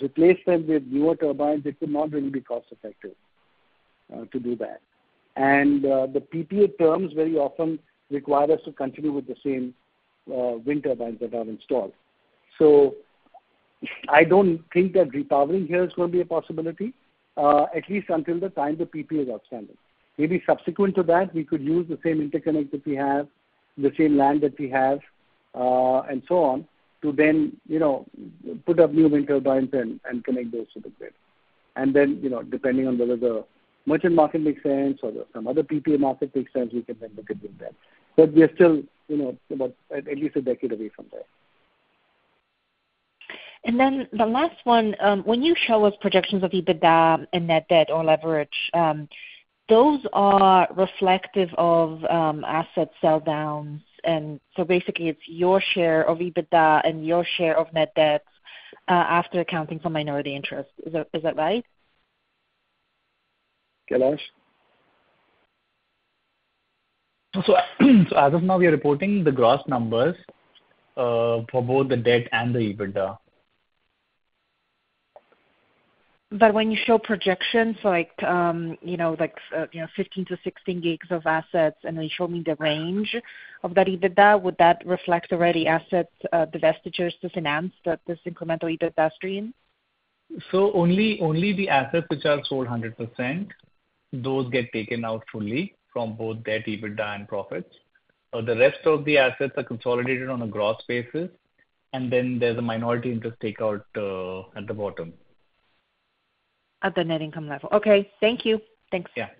replace them with newer turbines, it would not really be cost-effective to do that. And the PPA terms very often require us to continue with the same wind turbines that are installed. So I don't think that repowering here is going to be a possibility at least until the time the PPA is outstanding. Maybe subsequent to that, we could use the same interconnect that we have, the same land that we have, and so on, to then, you know, put up new wind turbines and connect those to the grid. And then, you know, depending on whether the merchant market makes sense or some other PPA market makes sense, we can then look at doing that. But we are still, you know, about at least a decade away from that. Then the last one, when you show us projections of EBITDA and net debt or leverage, those are reflective of asset sell downs, and so basically, it's your share of EBITDA and your share of net debt after accounting for minority interest. Is that right? Kailash? As of now, we are reporting the gross numbers for both the debt and the EBITDA. But when you show projections like, you know, like, you know, 15 GW-16 GW of assets, and then you show me the range of that EBITDA, would that reflect already assets, divestitures to finance this incremental EBITDA stream? So only, only the assets which are sold 100%, those get taken out fully from both debt, EBITDA and profits. The rest of the assets are consolidated on a gross basis, and then there's a minority interest take out at the bottom. At the net income level. Okay. Thank you. Thanks. Yeah.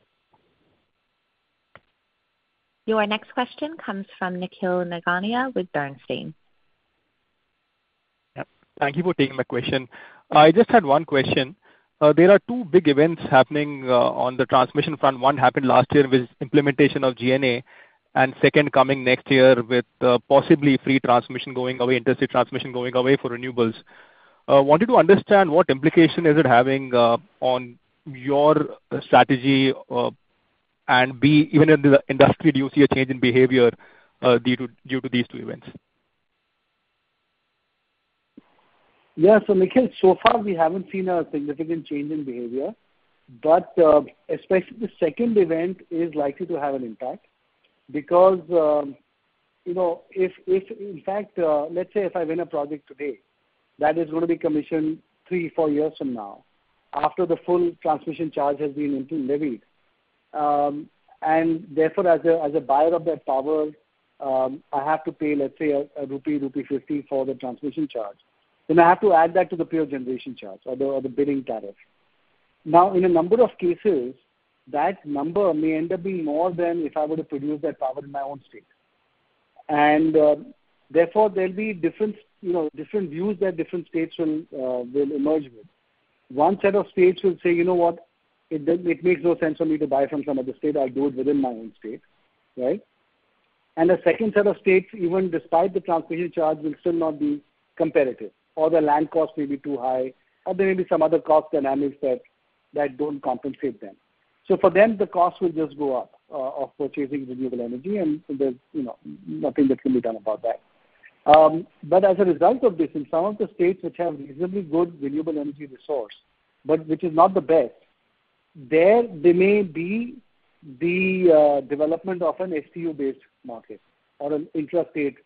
Your next question comes from Nikhil Nigania with Bernstein. Yep. Thank you for taking my question. I just had one question. There are two big events happening on the transmission front. One happened last year with implementation of GNA, and second coming next year with possibly free transmission going away, interstate transmission going away for renewables. Wanted to understand what implication is it having on your strategy, and B, even in the industry, do you see a change in behavior due to these two events? Yeah. So Nikhil, so far we haven't seen a significant change in behavior, but, the second event is likely to have an impact because, you know, if, if in fact, let's say if I win a project today, that is going to be commissioned three, four years from now, after the full transmission charge has been into levied, and therefore as a, as a buyer of that power, I have to pay, let's say, rupee 1.50 for the transmission charge, then I have to add that to the pure generation charge or the, or the bidding tariff. Now, in a number of cases, that number may end up being more than if I were to produce that power in my own state. And, therefore, there'll be different, you know, different views that different states will, will emerge with. One set of states will say: You know what? It makes no sense for me to buy from some other state. I'll do it within my own state, right? And the second set of states, even despite the transmission charge, will still not be competitive, or the land cost may be too high, or there may be some other cost dynamics that don't compensate them. So for them, the cost will just go up of purchasing renewable energy, and there's, you know, nothing that can be done about that. But as a result of this, in some of the states which have reasonably good renewable energy resource, but which is not the best, there may be the development of an STU-based market or an intrastate,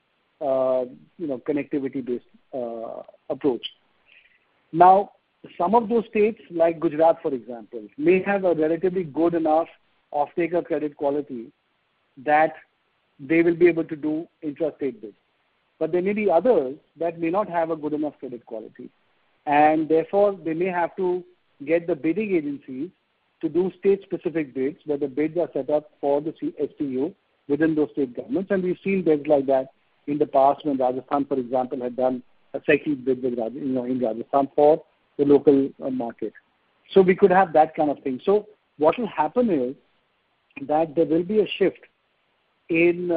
you know, connectivity-based approach. Now, some of those states, like Gujarat, for example, may have a relatively good enough offtaker credit quality that they will be able to do intrastate bids. But there may be others that may not have a good enough credit quality, and therefore, they may have to get the bidding agencies to do state-specific bids, where the bids are set up for the STU within those state governments. And we've seen bids like that in the past, when Rajasthan, for example, had done a second bid with you know, in Rajasthan for the local, market. So we could have that kind of thing. So what will happen is, that there will be a shift in,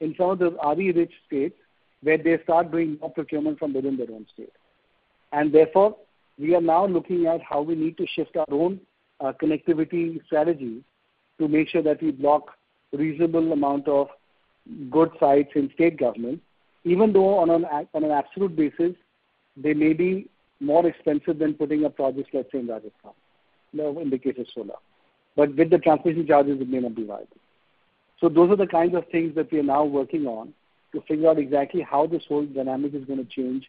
in some of the RE-rich states, where they start doing more procurement from within their own state. Therefore, we are now looking at how we need to shift our own capacity strategy to make sure that we book a reasonable amount of good sites in state governments, even though on an absolute basis, they may be more expensive than putting up projects, let's say, in Rajasthan, in the case of solar. With the transmission charges, it may not be viable. Those are the kinds of things that we are now working on, to figure out exactly how this whole dynamic is gonna change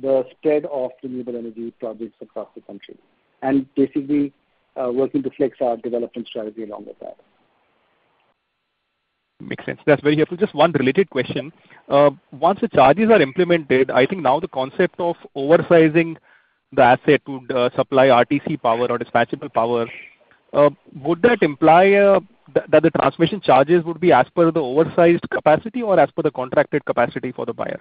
the spread of renewable energy projects across the country, and basically, working to flex our development strategy along with that. Makes sense. That's very helpful. Just one related question. Once the charges are implemented, I think now the concept of oversizing the asset to supply RTC power or dispatchable power, would that imply that the transmission charges would be as per the oversized capacity or as per the contracted capacity for the buyer?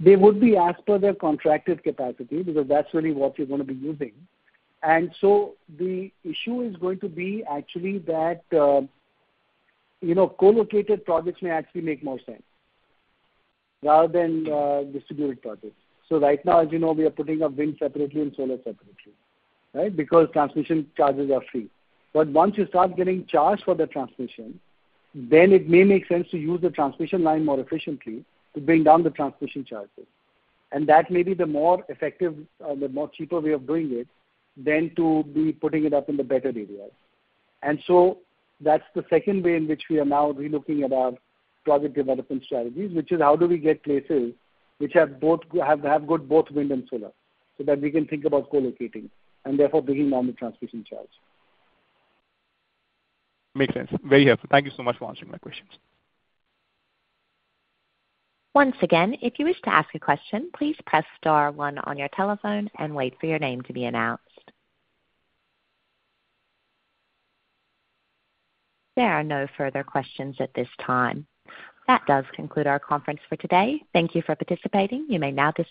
They would be as per their contracted capacity, because that's really what you're gonna be using. The issue is going to be actually that, you know, co-located projects may actually make more sense, rather than distributed projects. Right now, as you know, we are putting up wind separately and solar separately, right? Because transmission charges are free. Once you start getting charged for the transmission, then it may make sense to use the transmission line more efficiently to bring down the transmission charges. That may be the more effective, the more cheaper way of doing it, than to be putting it up in the better areas. And so that's the second way in which we are now relooking at our project development strategies, which is how do we get places which have both good wind and solar, so that we can think about co-locating and therefore bringing down the transmission charge. Makes sense. Very helpful. Thank you so much for answering my questions. Once again, if you wish to ask a question, please press star one on your telephone and wait for your name to be announced. There are no further questions at this time. That does conclude our conference for today. Thank you for participating. You may now disconnect.